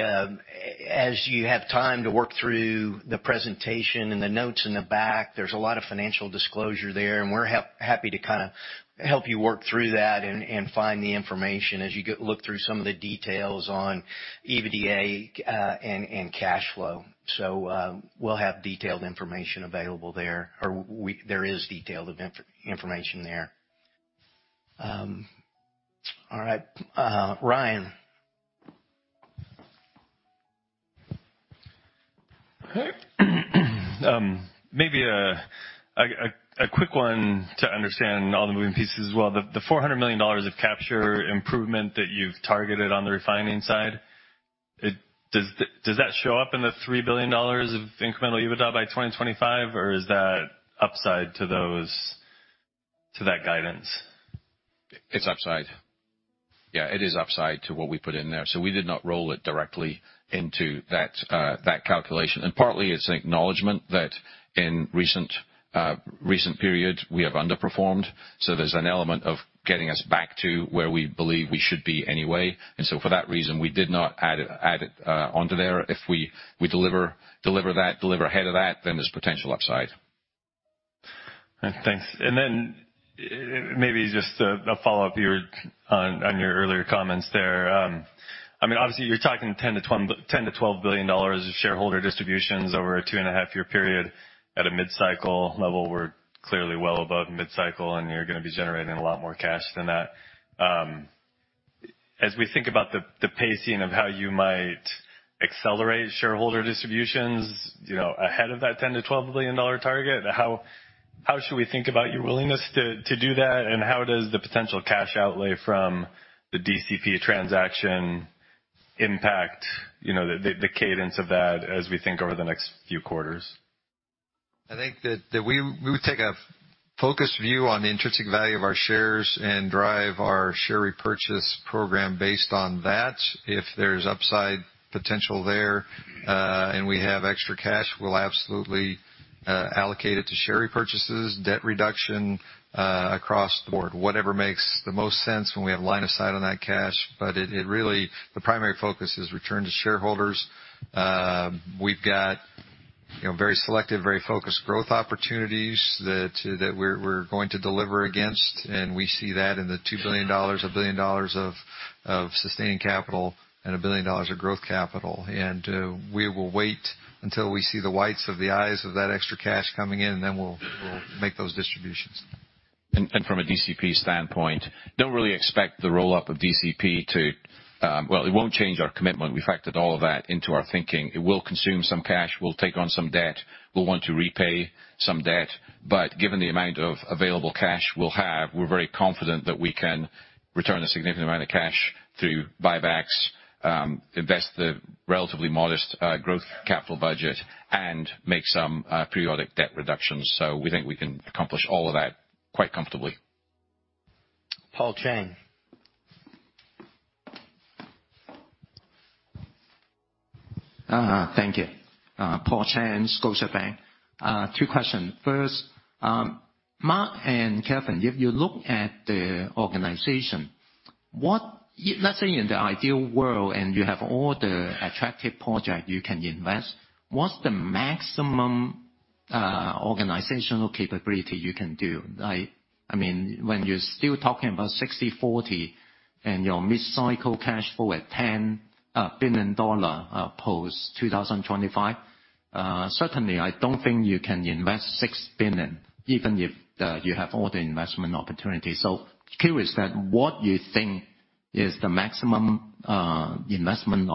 as you have time to work through the presentation and the notes in the back, there's a lot of financial disclosure there, and we're happy to kinda help you work through that and find the information as you look through some of the details on EBITDA, and cash flow. We'll have detailed information available there, or there is detailed information there. All right, Ryan. Hey. Maybe a quick one to understand all the moving pieces as well. The $400 million of capture improvement that you've targeted on the refining side. Does that show up in the $3 billion of incremental EBITDA by 2025 or is that upside to those, to that guidance? It's upside. Yeah, it is upside to what we put in there. We did not roll it directly into that calculation. Partly it's an acknowledgment that in recent periods we have underperformed. There's an element of getting us back to where we believe we should be anyway. For that reason, we did not add it onto there. If we deliver that ahead of that, then there's potential upside. All right. Thanks. Maybe just a follow-up on your earlier comments there. I mean, obviously you're talking $10 billion-$12 billion of shareholder distributions over a 2.5-year period at a mid-cycle level. We're clearly well above mid-cycle, and you're gonna be generating a lot more cash than that. As we think about the pacing of how you might accelerate shareholder distributions, you know, ahead of that $10 billion-$12 billion target, how should we think about your willingness to do that? How does the potential cash outlay from the DCP transaction impact, you know, the cadence of that as we think over the next few quarters? I think that we take a focused view on the intrinsic value of our shares and drive our share repurchase program based on that. If there's upside potential there, and we have extra cash, we'll absolutely allocate it to share repurchases, debt reduction, across the board. Whatever makes the most sense when we have line of sight on that cash. It really, the primary focus is return to shareholders. We've got very selective, very focused growth opportunities that we're going to deliver against. We see that in the $2 billion, $1 billion of sustaining capital and $1 billion of growth capital. We will wait until we see the whites of the eyes of that extra cash coming in, and then we'll make those distributions. From a DCP standpoint, don't really expect the roll-up of DCP. Well, it won't change our commitment. We factored all of that into our thinking. It will consume some cash. We'll take on some debt. We'll want to repay some debt. Given the amount of available cash we'll have, we're very confident that we can return a significant amount of cash through buybacks, invest the relatively modest growth capital budget and make some periodic debt reductions. We think we can accomplish all of that quite comfortably. Paul Cheng. Thank you. Paul Cheng, Scotiabank. Two questions. First, Mark and Kevin, if you look at the organization, what, let's say in the ideal world and you have all the attractive project you can invest, what's the maximum organizational capability you can do? I mean, when you're still talking about 60/40 and your mid-cycle cash flow at $10 billion post-2025, certainly I don't think you can invest $6 billion even if you have all the investment opportunities. Curious as to what you think is the maximum investment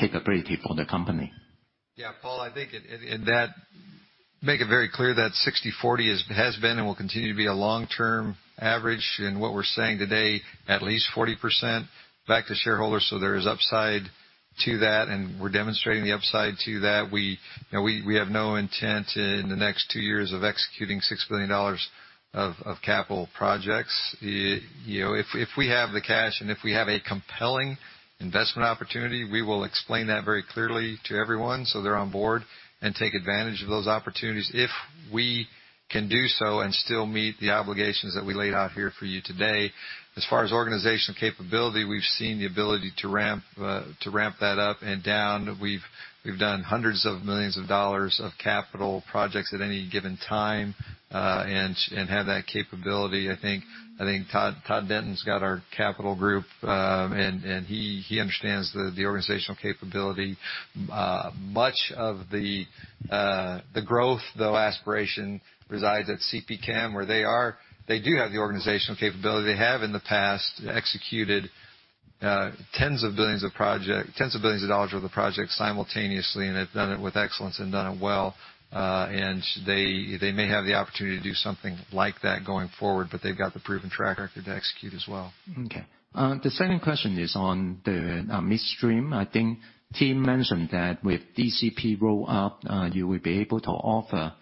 capability for the company? Yeah, Paul, I think in that make it very clear that 60/40 is, has been and will continue to be a long-term average. What we're saying today, at least 40% back to shareholders. There is upside to that, and we're demonstrating the upside to that. We have no intent in the next two years of executing $6 billion of capital projects. If we have the cash and if we have a compelling investment opportunity, we will explain that very clearly to everyone so they're on board and take advantage of those opportunities if we can do so and still meet the obligations that we laid out here for you today. As far as organizational capability, we've seen the ability to ramp that up and down. We've done hundreds of millions of dollars of capital projects at any given time, and have that capability. I think Todd Denton's got our capital group, and he understands the organizational capability. Much of the growth aspiration resides at CPChem, where they do have the organizational capability. They have in the past executed $tens of billions of dollars worth of projects simultaneously, and they've done it with excellence and done it well. They may have the opportunity to do something like that going forward, but they've got the proven track record to execute as well. Okay. The second question is on the midstream. I think team mentioned that with DCP roll-up, you will be able to offer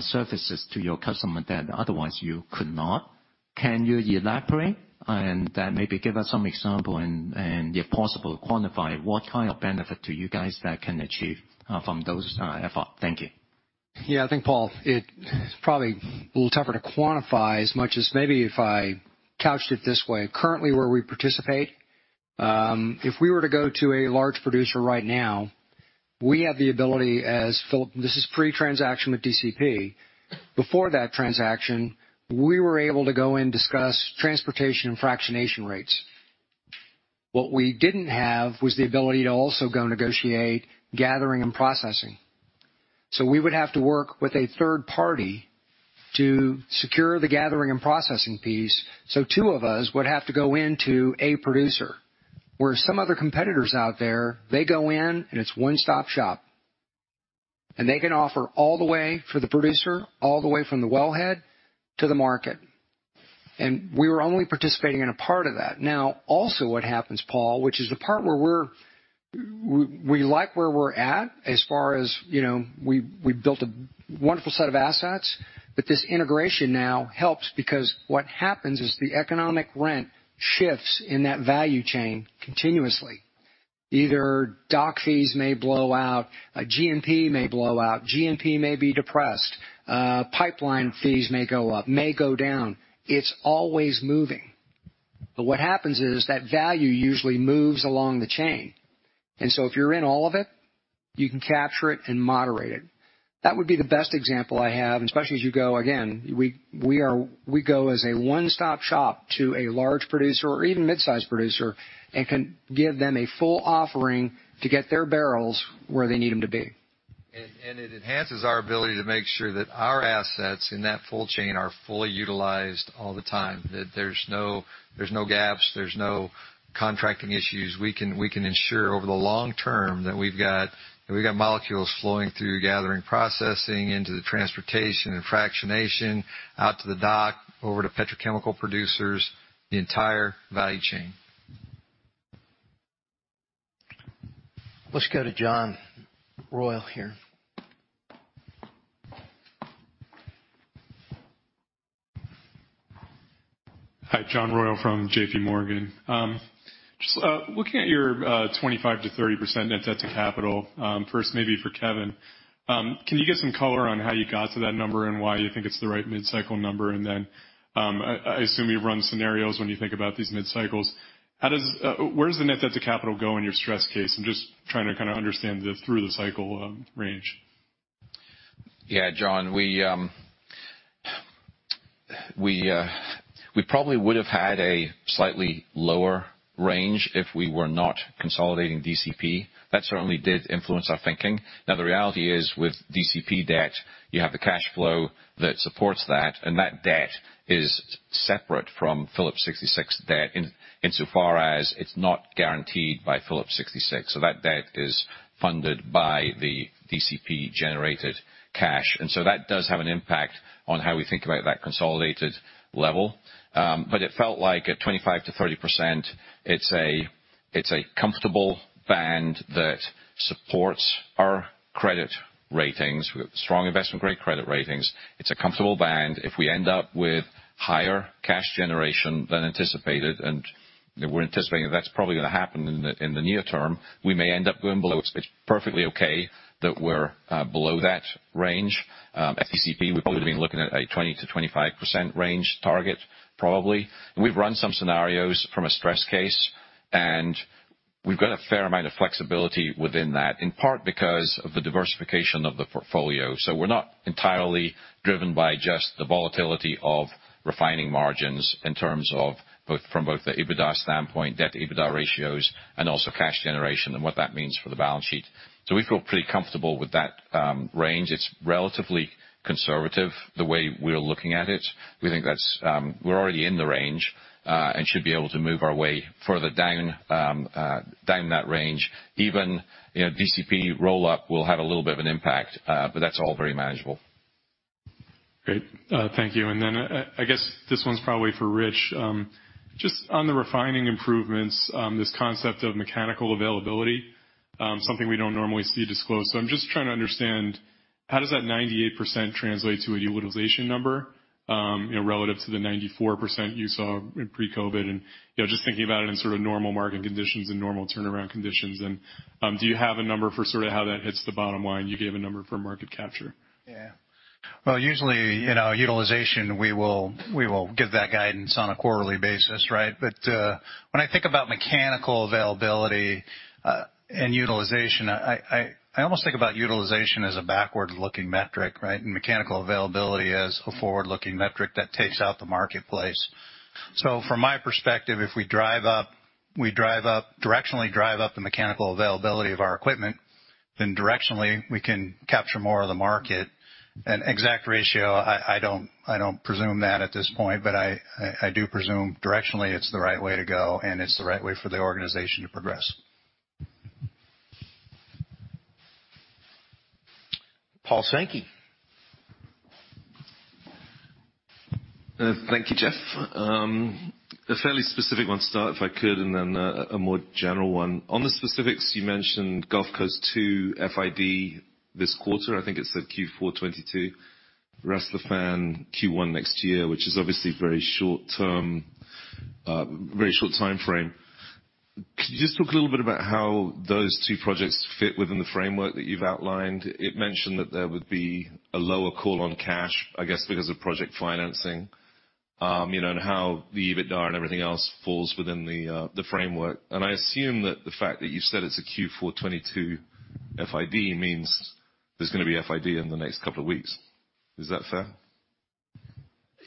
services to your customer that otherwise you could not. Can you elaborate on that? Maybe give us some example and if possible quantify what kind of benefit to you guys that can achieve from those effort. Thank you. Yeah. I think, Paul, it's probably a little tougher to quantify as much as maybe if I couched it this way. Currently, where we participate, if we were to go to a large producer right now, we have the ability. This is pre-transaction with DCP. Before that transaction, we were able to go and discuss transportation and fractionation rates. What we didn't have was the ability to also go negotiate gathering and processing. We would have to work with a third party to secure the gathering and processing piece. Two of us would have to go into a producer. Where some other competitors out there, they go in, and it's one-stop shop. They can offer all the way for the producer, all the way from the wellhead to the market. We were only participating in a part of that. Now also what happens, Paul, which is the part where we're like where we're at as far as, you know, we built a wonderful set of assets, but this integration now helps because what happens is the economic rent shifts in that value chain continuously. Either dock fees may blow out, a G&P may blow out, G&P may be depressed, pipeline fees may go up, may go down. It's always moving. What happens is that value usually moves along the chain. If you're in all of it, you can capture it and moderate it. That would be the best example I have, and especially as you go again, we go as a one-stop shop to a large producer or even mid-sized producer and can give them a full offering to get their barrels where they need them to be. It enhances our ability to make sure that our assets in that full chain are fully utilized all the time. That there's no gaps, no contracting issues. We can ensure over the long term that we've got molecules flowing through gathering, processing, into the transportation and fractionation, out to the dock, over to petrochemical producers, the entire value chain. Let's go to John Royall here. Hi, John Royall from JPMorgan. Just looking at your 25%-30% net debt to capital, first maybe for Kevin, can you give some color on how you got to that number and why you think it's the right mid-cycle number? I assume you run scenarios when you think about these mid cycles. Where does the net debt to capital go in your stress case? I'm just trying to kinda understand the through the cycle range. Yeah, John, we probably would have had a slightly lower range if we were not consolidating DCP. That certainly did influence our thinking. Now, the reality is, with DCP debt, you have the cash flow that supports that, and that debt is separate from Phillips 66 debt insofar as it's not guaranteed by Phillips 66. That debt is funded by the DCP-generated cash. That does have an impact on how we think about that consolidated level. It felt like at 25%-30% it's a comfortable band that supports our credit ratings. We've got strong investment-grade credit ratings. It's a comfortable band. If we end up with higher cash generation than anticipated, and we're anticipating that's probably gonna happen in the near term, we may end up going below it. It's perfectly okay that we're below that range. At DCP, we'd probably been looking at a 20%-25% range target, probably. We've run some scenarios from a stress case, and we've got a fair amount of flexibility within that, in part because of the diversification of the portfolio. We're not entirely driven by just the volatility of refining margins in terms of both the EBITDA standpoint, debt-to-EBITDA ratios, and also cash generation and what that means for the balance sheet. We feel pretty comfortable with that range. It's relatively conservative the way we're looking at it. We think that's. We're already in the range and should be able to move our way further down that range. Even, you know, DCP roll-up will have a little bit of an impact, but that's all very manageable. Great. Thank you. I guess this one's probably for Rich. Just on the refining improvements, this concept of mechanical availability, something we don't normally see disclosed. I'm just trying to understand how does that 98% translate to a utilization number, you know, relative to the 94% you saw in pre-COVID? You know, just thinking about it in sort of normal market conditions and normal turnaround conditions. Do you have a number for sort of how that hits the bottom line? You gave a number for market capture. Yeah. Well, usually, you know, utilization, we will give that guidance on a quarterly basis, right? When I think about mechanical availability and utilization, I almost think about utilization as a backward-looking metric, right? Mechanical availability as a forward-looking metric that takes out the marketplace. From my perspective, if we directionally drive up the mechanical availability of our equipment, then directionally we can capture more of the market. Exact ratio, I don't presume that at this point, but I do presume directionally it's the right way to go and it's the right way for the organization to progress. Paul Cheng. Thank you, Jeff. A fairly specific one to start, if I could, and then a more general one. On the specifics you mentioned U.S. Gulf Coast II FID this quarter, I think it said Q4 2022. Ras Laffan Q1 next year, which is obviously very short term, very short timeframe. Could you just talk a little bit about how those two projects fit within the framework that you've outlined? It mentioned that there would be a lower call on cash, I guess, because of project financing, you know, and how the EBITDA and everything else falls within the framework. I assume that the fact that you said it's a Q4 2022 FID means there's gonna be FID in the next couple of weeks. Is that fair?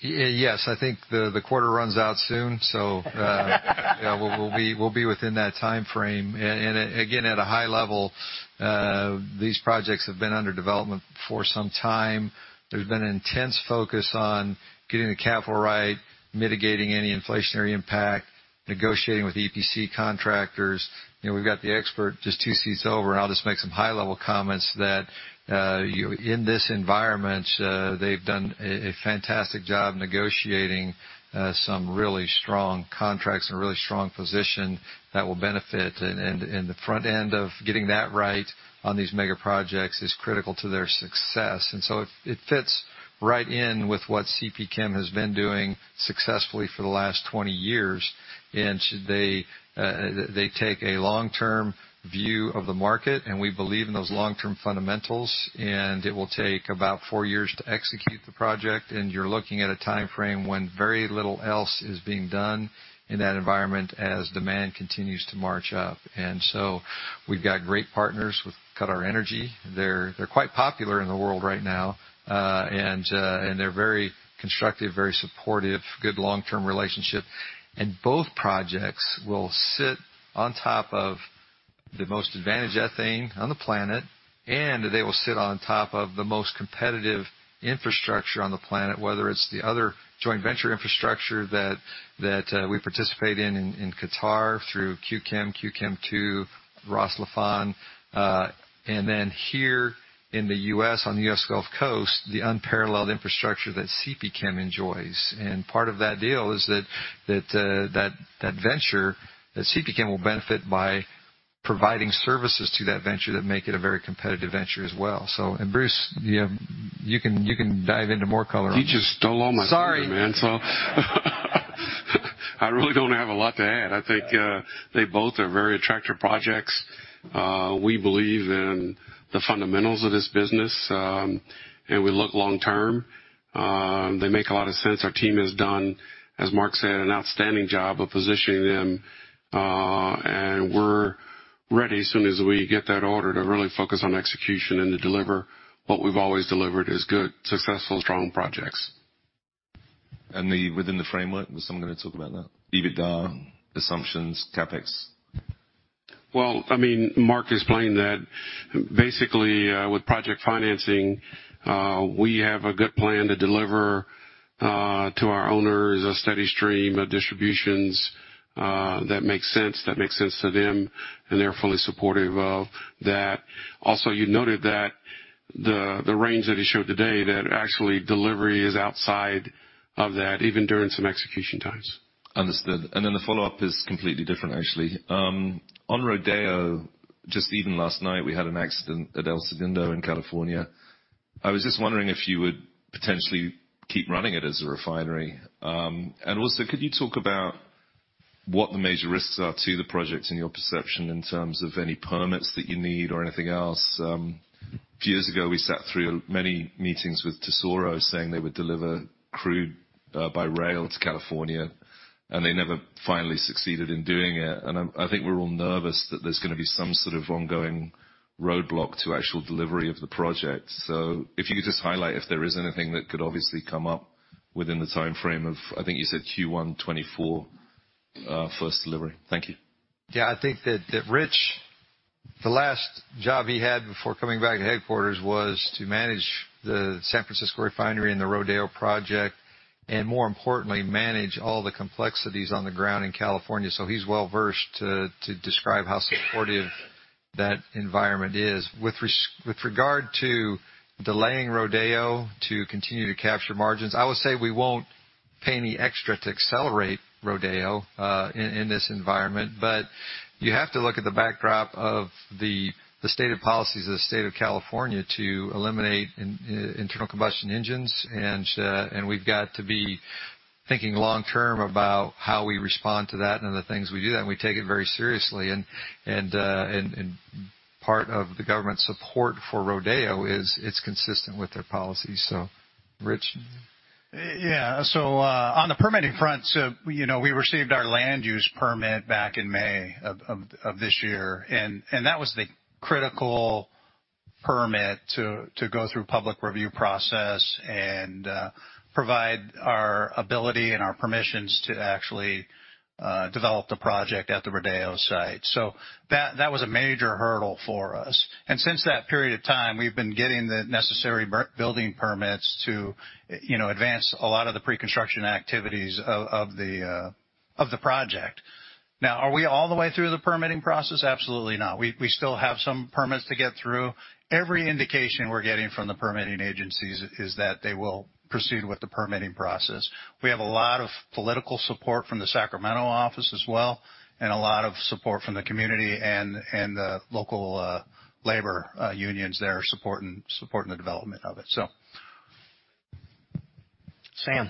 Yes. I think the quarter runs out soon. Yeah, we'll be within that timeframe. Again, at a high level, these projects have been under development for some time. There's been an intense focus on getting the capital right, mitigating any inflationary impact, negotiating with EPC contractors. You know, we've got the expert just 2 seats over, and I'll just make some high-level comments that in this environment, they've done a fantastic job negotiating some really strong contracts and a really strong position that will benefit. The front end of getting that right on these mega projects is critical to their success. It fits right in with what CPChem has been doing successfully for the last 20 years. They take a long-term view of the market, and we believe in those long-term fundamentals. It will take about four years to execute the project. You're looking at a timeframe when very little else is being done in that environment as demand continues to march up. We've got great partners with QatarEnergy. They're quite popular in the world right now. They're very constructive, very supportive, good long-term relationship. Both projects will sit on top of the most advantaged ethane on the planet, and they will sit on top of the most competitive infrastructure on the planet, whether it's the other joint venture infrastructure that we participate in Qatar through Q-Chem, Q-Chem II, Ras Laffan. Here in the U.S., on the U.S. Gulf Coast, the unparalleled infrastructure that CPChem enjoys. Part of that deal is that CPChem will benefit by providing services to that venture that make it a very competitive venture as well. Bruce, you can dive into more color on that. You just stole all my thunder, man. Sorry. I really don't have a lot to add. I think they both are very attractive projects. We believe in the fundamentals of this business, and we look long-term. They make a lot of sense. Our team has done, as Mark said, an outstanding job of positioning them. We're ready as soon as we get that order to really focus on execution and to deliver what we've always delivered is good, successful, strong projects. Within the framework, is someone gonna talk about that? EBITDA assumptions, CapEx. Well, I mean, Mark explained that basically, with project financing, we have a good plan to deliver, to our owners a steady stream of distributions, that makes sense to them, and they're fully supportive of that. Also, you noted that the range that he showed today, that actually delivery is outside of that, even during some execution times. Understood. The follow-up is completely different actually. On Rodeo, just even last night, we had an accident at El Segundo in California. I was just wondering if you would potentially keep running it as a refinery. And also, could you talk about what the major risks are to the project in your perception in terms of any permits that you need or anything else? A few years ago, we sat through many meetings with Tesoro saying they would deliver crude by rail to California, and they never finally succeeded in doing it. I think we're all nervous that there's gonna be some sort of ongoing roadblock to actual delivery of the project. If you could just highlight if there is anything that could obviously come up within the timeframe of, I think you said Q1 2024, first delivery. Thank you. Yeah. I think that Rich, the last job he had before coming back to headquarters was to manage the San Francisco refinery and the Rodeo project, and more importantly, manage all the complexities on the ground in California. He's well-versed to describe how supportive that environment is. With regard to delaying Rodeo to continue to capture margins, I would say we won't pay any extra to accelerate Rodeo in this environment. You have to look at the backdrop of the stated policies of the state of California to eliminate internal combustion engines. We've got to be thinking long-term about how we respond to that and the things we do. We take it very seriously. Part of the government support for Rodeo is it's consistent with their policies. Rich? On the permitting front, you know, we received our land use permit back in May of this year. That was the critical permit to go through public review process and provide our ability and our permissions to actually develop the project at the Rodeo site. That was a major hurdle for us. Since that period of time, we've been getting the necessary building permits to, you know, advance a lot of the preconstruction activities of the project. Now, are we all the way through the permitting process? Absolutely not. We still have some permits to get through. Every indication we're getting from the permitting agencies is that they will proceed with the permitting process. We have a lot of political support from the Sacramento office as well, and a lot of support from the community and the local labor unions there supporting the development of it so. Sam.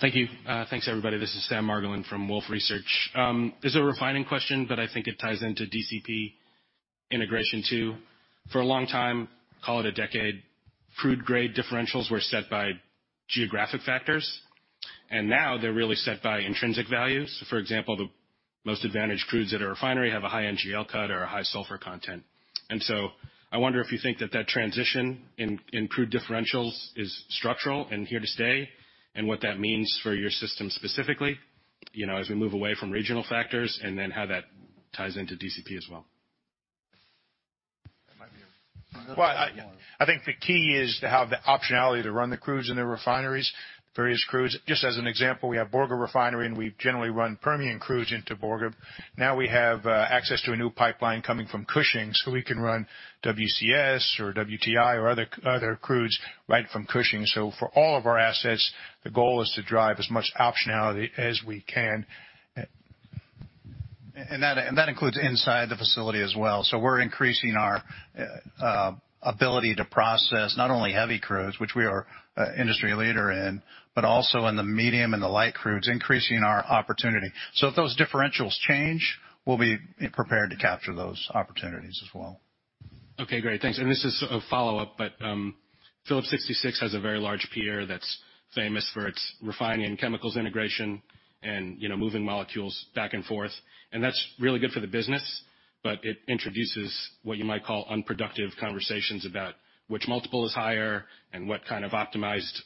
Thank you. Thanks, everybody. This is Sam Margolin from Wolfe Research. This is a refining question, but I think it ties into DCP integration too. For a long time, call it a decade, crude grade differentials were set by geographic factors, and now they're really set by intrinsic values. For example, the most advantaged crudes at a refinery have a high NGL cut or a high sulfur content. I wonder if you think that transition in crude differentials is structural and here to stay, and what that means for your system specifically, you know, as we move away from regional factors, and then how that ties into DCP as well. Well, I think the key is to have the optionality to run the crudes in the refineries, various crudes. Just as an example, we have Borger Refinery, and we generally run Permian crudes into Borger. Now we have access to a new pipeline coming from Cushing, so we can run WCS or WTI or other crudes right from Cushing. For all of our assets, the goal is to drive as much optionality as we can, that includes inside the facility as well. We're increasing our ability to process not only heavy crudes, which we are an industry leader in, but also in the medium and the light crudes, increasing our opportunity. If those differentials change, we'll be prepared to capture those opportunities as well. Okay, great. Thanks. This is a follow-up, but, Phillips 66 has a very large peer that's famous for its refining and chemicals integration and, you know, moving molecules back and forth. That's really good for the business, but it introduces what you might call unproductive conversations about which multiple is higher and what kind of optimized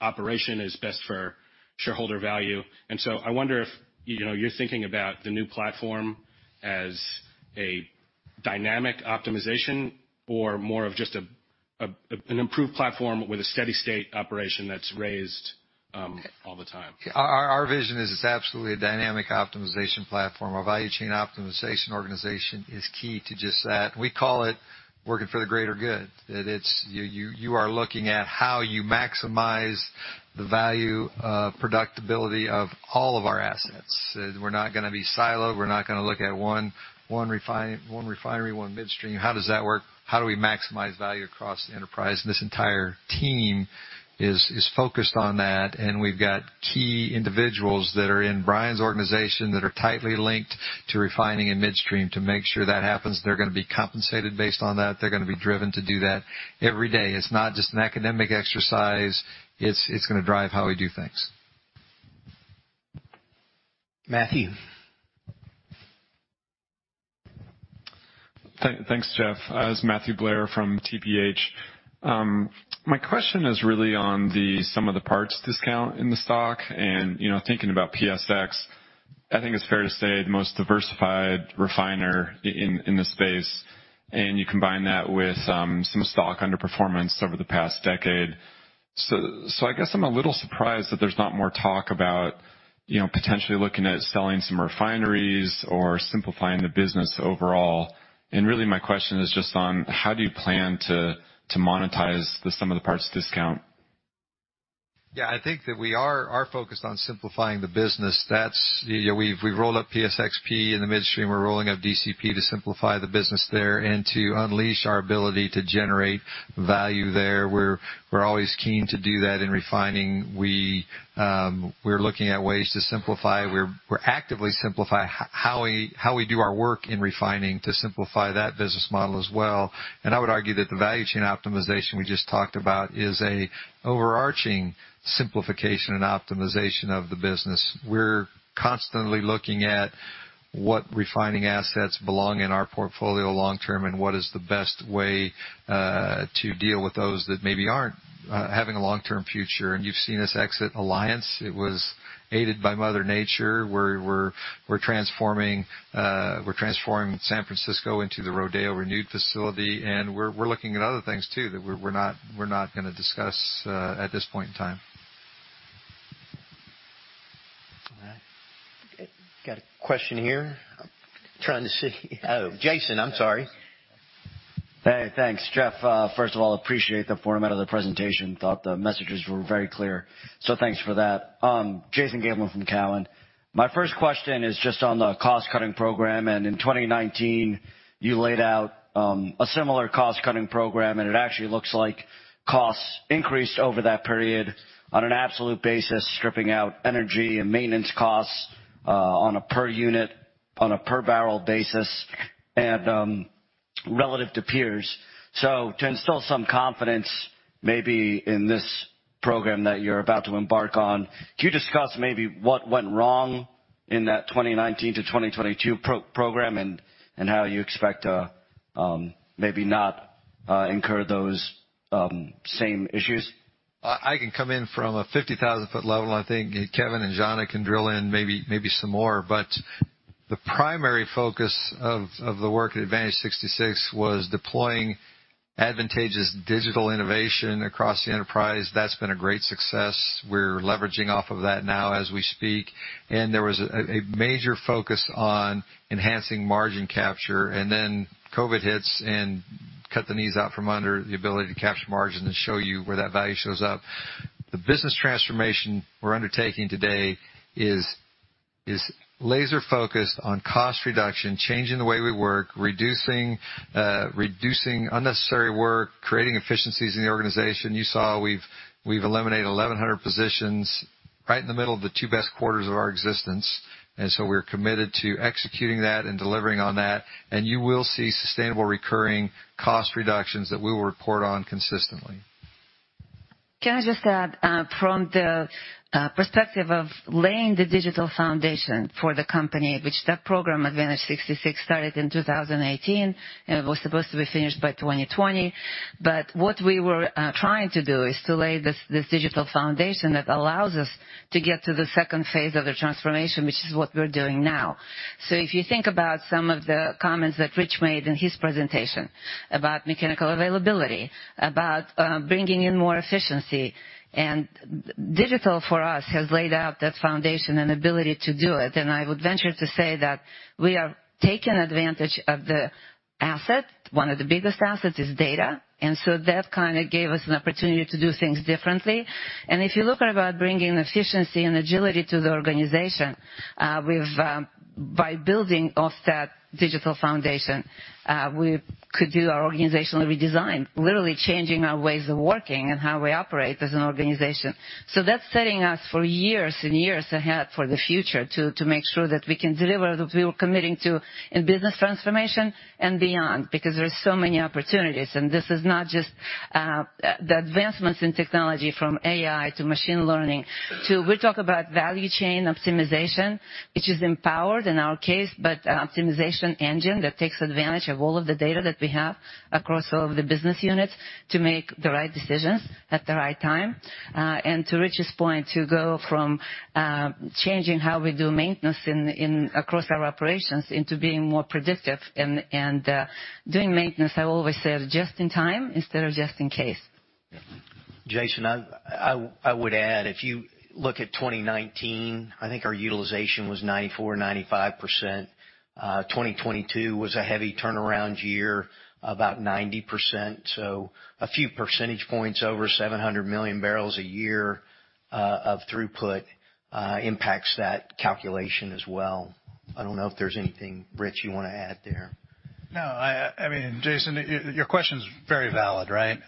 operation is best for shareholder value. I wonder if, you know, you're thinking about the new platform as a dynamic optimization or more of just an improved platform with a steady state operation that's raised all the time. Our vision is it's absolutely a dynamic optimization platform. Our value chain optimization organization is key to just that. We call it working for the greater good, that it's you are looking at how you maximize the value of profitability of all of our assets. We're not gonna be siloed. We're not gonna look at one refinery, one midstream. How does that work? How do we maximize value across the enterprise? This entire team is focused on that, and we've got key individuals that are in Brian's organization that are tightly linked to refining and midstream to make sure that happens. They're gonna be compensated based on that. They're gonna be driven to do that every day. It's not just an academic exercise. It's gonna drive how we do things. Matthew. Thanks, Jeff. It's Matthew Blair from TPH. My question is really on the sum of the parts discount in the stock and, you know, thinking about PSX. I think it's fair to say the most diversified refiner in the space, and you combine that with some stock underperformance over the past decade. I guess I'm a little surprised that there's not more talk about, you know, potentially looking at selling some refineries or simplifying the business overall. Really my question is just on how do you plan to monetize the sum of the parts discount? Yeah. I think that we are focused on simplifying the business. That's. We've rolled up PSXP in the midstream. We're rolling up DCP to simplify the business there and to unleash our ability to generate value there. We're always keen to do that in refining. We're looking at ways to simplify. We're actively simplifying how we do our work in refining to simplify that business model as well. I would argue that the value chain optimization we just talked about is an overarching simplification and optimization of the business. We're constantly looking at what refining assets belong in our portfolio long-term and what is the best way to deal with those that maybe aren't having a long-term future. You've seen us exit Alliance. It was aided by mother nature. We're transforming San Francisco into the Rodeo Renewed facility, and we're looking at other things too that we're not gonna discuss at this point in time. All right. Got a question here. I'm trying to see. Oh, Jason, I'm sorry. Hey, thanks, Jeff. First of all, appreciate the format of the presentation. Thought the messages were very clear, so thanks for that. Jason Gabelman from Cowen. My first question is just on the cost-cutting program. In 2019, you laid out a similar cost-cutting program, and it actually looks like costs increased over that period on an absolute basis, stripping out energy and maintenance costs, on a per unit, on a per barrel basis, and relative to peers. To instill some confidence maybe in this program that you're about to embark on, can you discuss maybe what went wrong in that 2019 to 2022 program and how you expect to maybe not incur those same issues? I can come in from a 50,000-foot level. I think Kevin and Zhanna can drill in maybe some more. The primary focus of the work at Advantage 66 was deploying advantageous digital innovation across the enterprise. That's been a great success. We're leveraging off of that now as we speak. There was a major focus on enhancing margin capture, and then COVID hits and cut the knees out from under the ability to capture margin and show you where that value shows up. The business transformation we're undertaking today is laser-focused on cost reduction, changing the way we work, reducing unnecessary work, creating efficiencies in the organization. You saw we've eliminated 1,100 positions right in the middle of the two best quarters of our existence. We're committed to executing that and delivering on that. You will see sustainable recurring cost reductions that we will report on consistently. Can I just add, from the perspective of laying the digital foundation for the company, which that program, Advantage 66, started in 2018, and it was supposed to be finished by 2020. What we were trying to do is to lay this digital foundation that allows us to get to the second phase of the transformation, which is what we're doing now. If you think about some of the comments that Rich made in his presentation about mechanical availability, about bringing in more efficiency. Digital for us has laid out that foundation and ability to do it. I would venture to say that we are taking advantage of the asset. One of the biggest assets is data. That kind of gave us an opportunity to do things differently. If you look about bringing efficiency and agility to the organization, by building off that digital foundation, we could do our organizational redesign, literally changing our ways of working and how we operate as an organization. That's setting us for years and years ahead for the future to make sure that we can deliver that we were committing to in business transformation and beyond, because there are so many opportunities, and this is not just the advancements in technology from AI to machine learning, too. We talk about value chain optimization, which is empowered in our case, but an optimization engine that takes advantage of all of the data that we have across all of the business units to make the right decisions at the right time. To Rich's point, to go from changing how we do maintenance across our operations into being more predictive and doing maintenance, I always said just in time instead of just in case. Jason, I would add, if you look at 2019, I think our utilization was 94%-95%. 2022 was a heavy turnaround year, about 90%. A few percentage points over 700 million barrels a year of throughput impacts that calculation as well. I don't know if there's anything, Rich, you wanna add there. No, I mean, Jason, your question is very valid, right?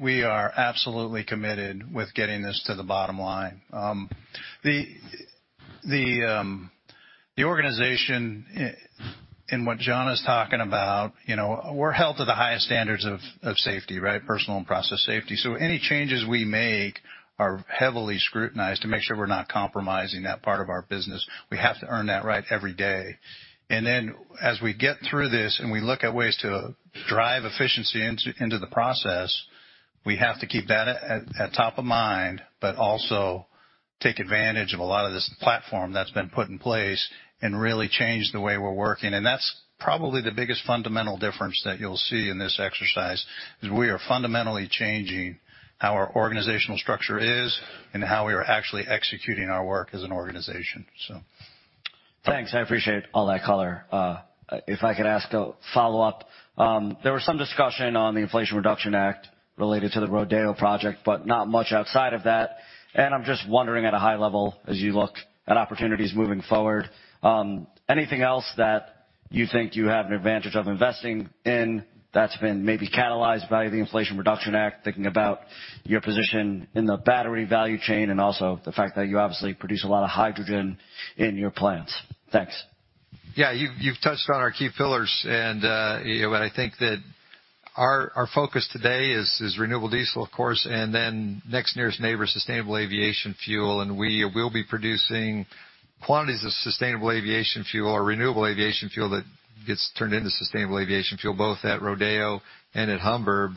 We are absolutely committed to getting this to the bottom line. The organization and what Zhanna is talking about, you know, we're held to the highest standards of safety, right? Personal and process safety. Any changes we make are heavily scrutinized to make sure we're not compromising that part of our business. We have to earn that right every day. As we get through this, and we look at ways to drive efficiency into the process, we have to keep that at top of mind, but also take advantage of a lot of this platform that's been put in place and really change the way we're working. That's probably the biggest fundamental difference that you'll see in this exercise, is we are fundamentally changing how our organizational structure is and how we are actually executing our work as an organization. Thanks. I appreciate all that color. If I could ask a follow-up. There was some discussion on the Inflation Reduction Act related to the Rodeo project, but not much outside of that. I'm just wondering at a high level, as you look at opportunities moving forward, anything else that you think you have an advantage of investing in that's been maybe catalyzed by the Inflation Reduction Act. Thinking about your position in the battery value chain and also the fact that you obviously produce a lot of hydrogen in your plants. Thanks. Yeah, you've touched on our key pillars, and you know, and I think that our focus today is renewable diesel, of course, and then next nearest neighbor, sustainable aviation fuel. We will be producing quantities of sustainable aviation fuel or renewable aviation fuel that gets turned into sustainable aviation fuel both at Rodeo and at Humber.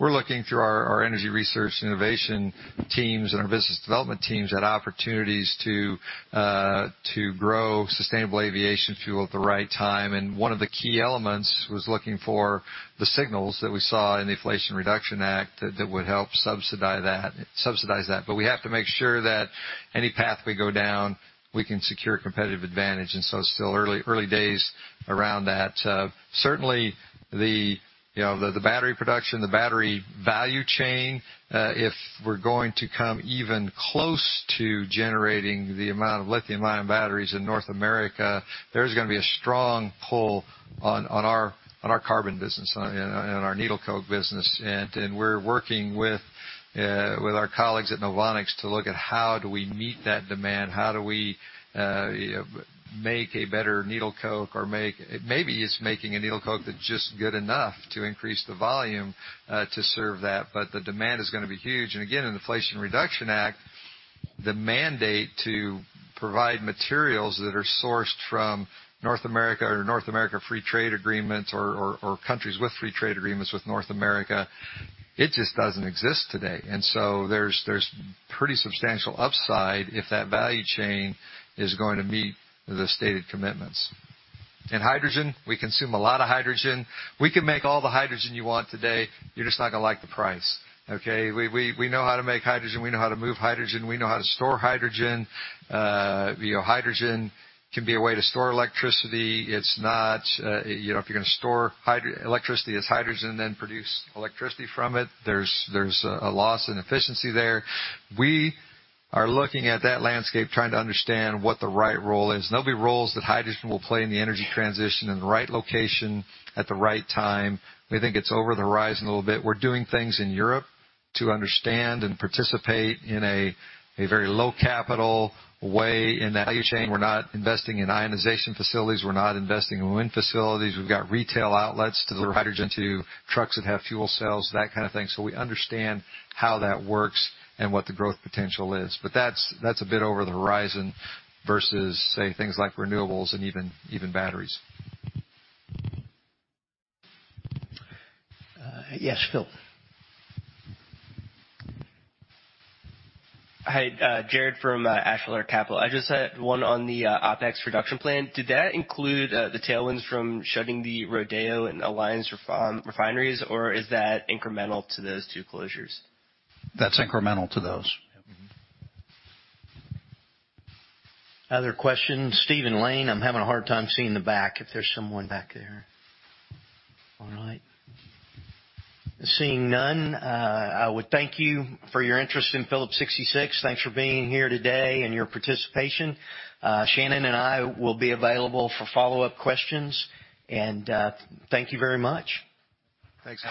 We're looking through our energy research innovation teams and our business development teams at opportunities to grow sustainable aviation fuel at the right time. One of the key elements was looking for the signals that we saw in the Inflation Reduction Act that would help subsidize that. We have to make sure that any path we go down, we can secure competitive advantage. It's still early days around that. Certainly, you know, the battery production, the battery value chain, if we're going to come even close to generating the amount of lithium-ion batteries in North America, there's gonna be a strong pull on our carbon business and on our needle coke business. We're working with our colleagues at NOVONIX to look at how do we meet that demand. How do we make a better needle coke or make a needle coke that's just good enough to increase the volume to serve that. The demand is gonna be huge. In the Inflation Reduction Act, the mandate to provide materials that are sourced from North America or North America free trade agreements or countries with free trade agreements with North America, it just doesn't exist today. There's pretty substantial upside if that value chain is going to meet the stated commitments. In hydrogen, we consume a lot of hydrogen. We can make all the hydrogen you want today, you're just not gonna like the price, okay? We know how to make hydrogen, we know how to move hydrogen, we know how to store hydrogen. You know, hydrogen can be a way to store electricity. It's not, you know, if you're gonna store electricity as hydrogen, then produce electricity from it, there's a loss in efficiency there. We are looking at that landscape, trying to understand what the right role is. There'll be roles that hydrogen will play in the energy transition in the right location at the right time. We think it's over the horizon a little bit. We're doing things in Europe to understand and participate in a very low capital way in that value chain. We're not investing in electrolysis facilities. We're not investing in wind facilities. We've got retail outlets to deliver hydrogen to trucks that have fuel cells, that kind of thing. So we understand how that works and what the growth potential is. That's a bit over the horizon versus, say, things like renewables and even batteries. Yes, Phil. Hi, Jared from Asheville Capital. I just had one on the OpEx reduction plan. Did that include the tailwinds from shutting the Rodeo and Alliance refineries, or is that incremental to those two closures? That's incremental to those. Other questions? Stephen Lane, I'm having a hard time seeing the back if there's someone back there. All right. Seeing none, I would thank you for your interest in Phillips 66. Thanks for being here today and your participation. Shannon and I will be available for follow-up questions. Thank you very much. Thanks.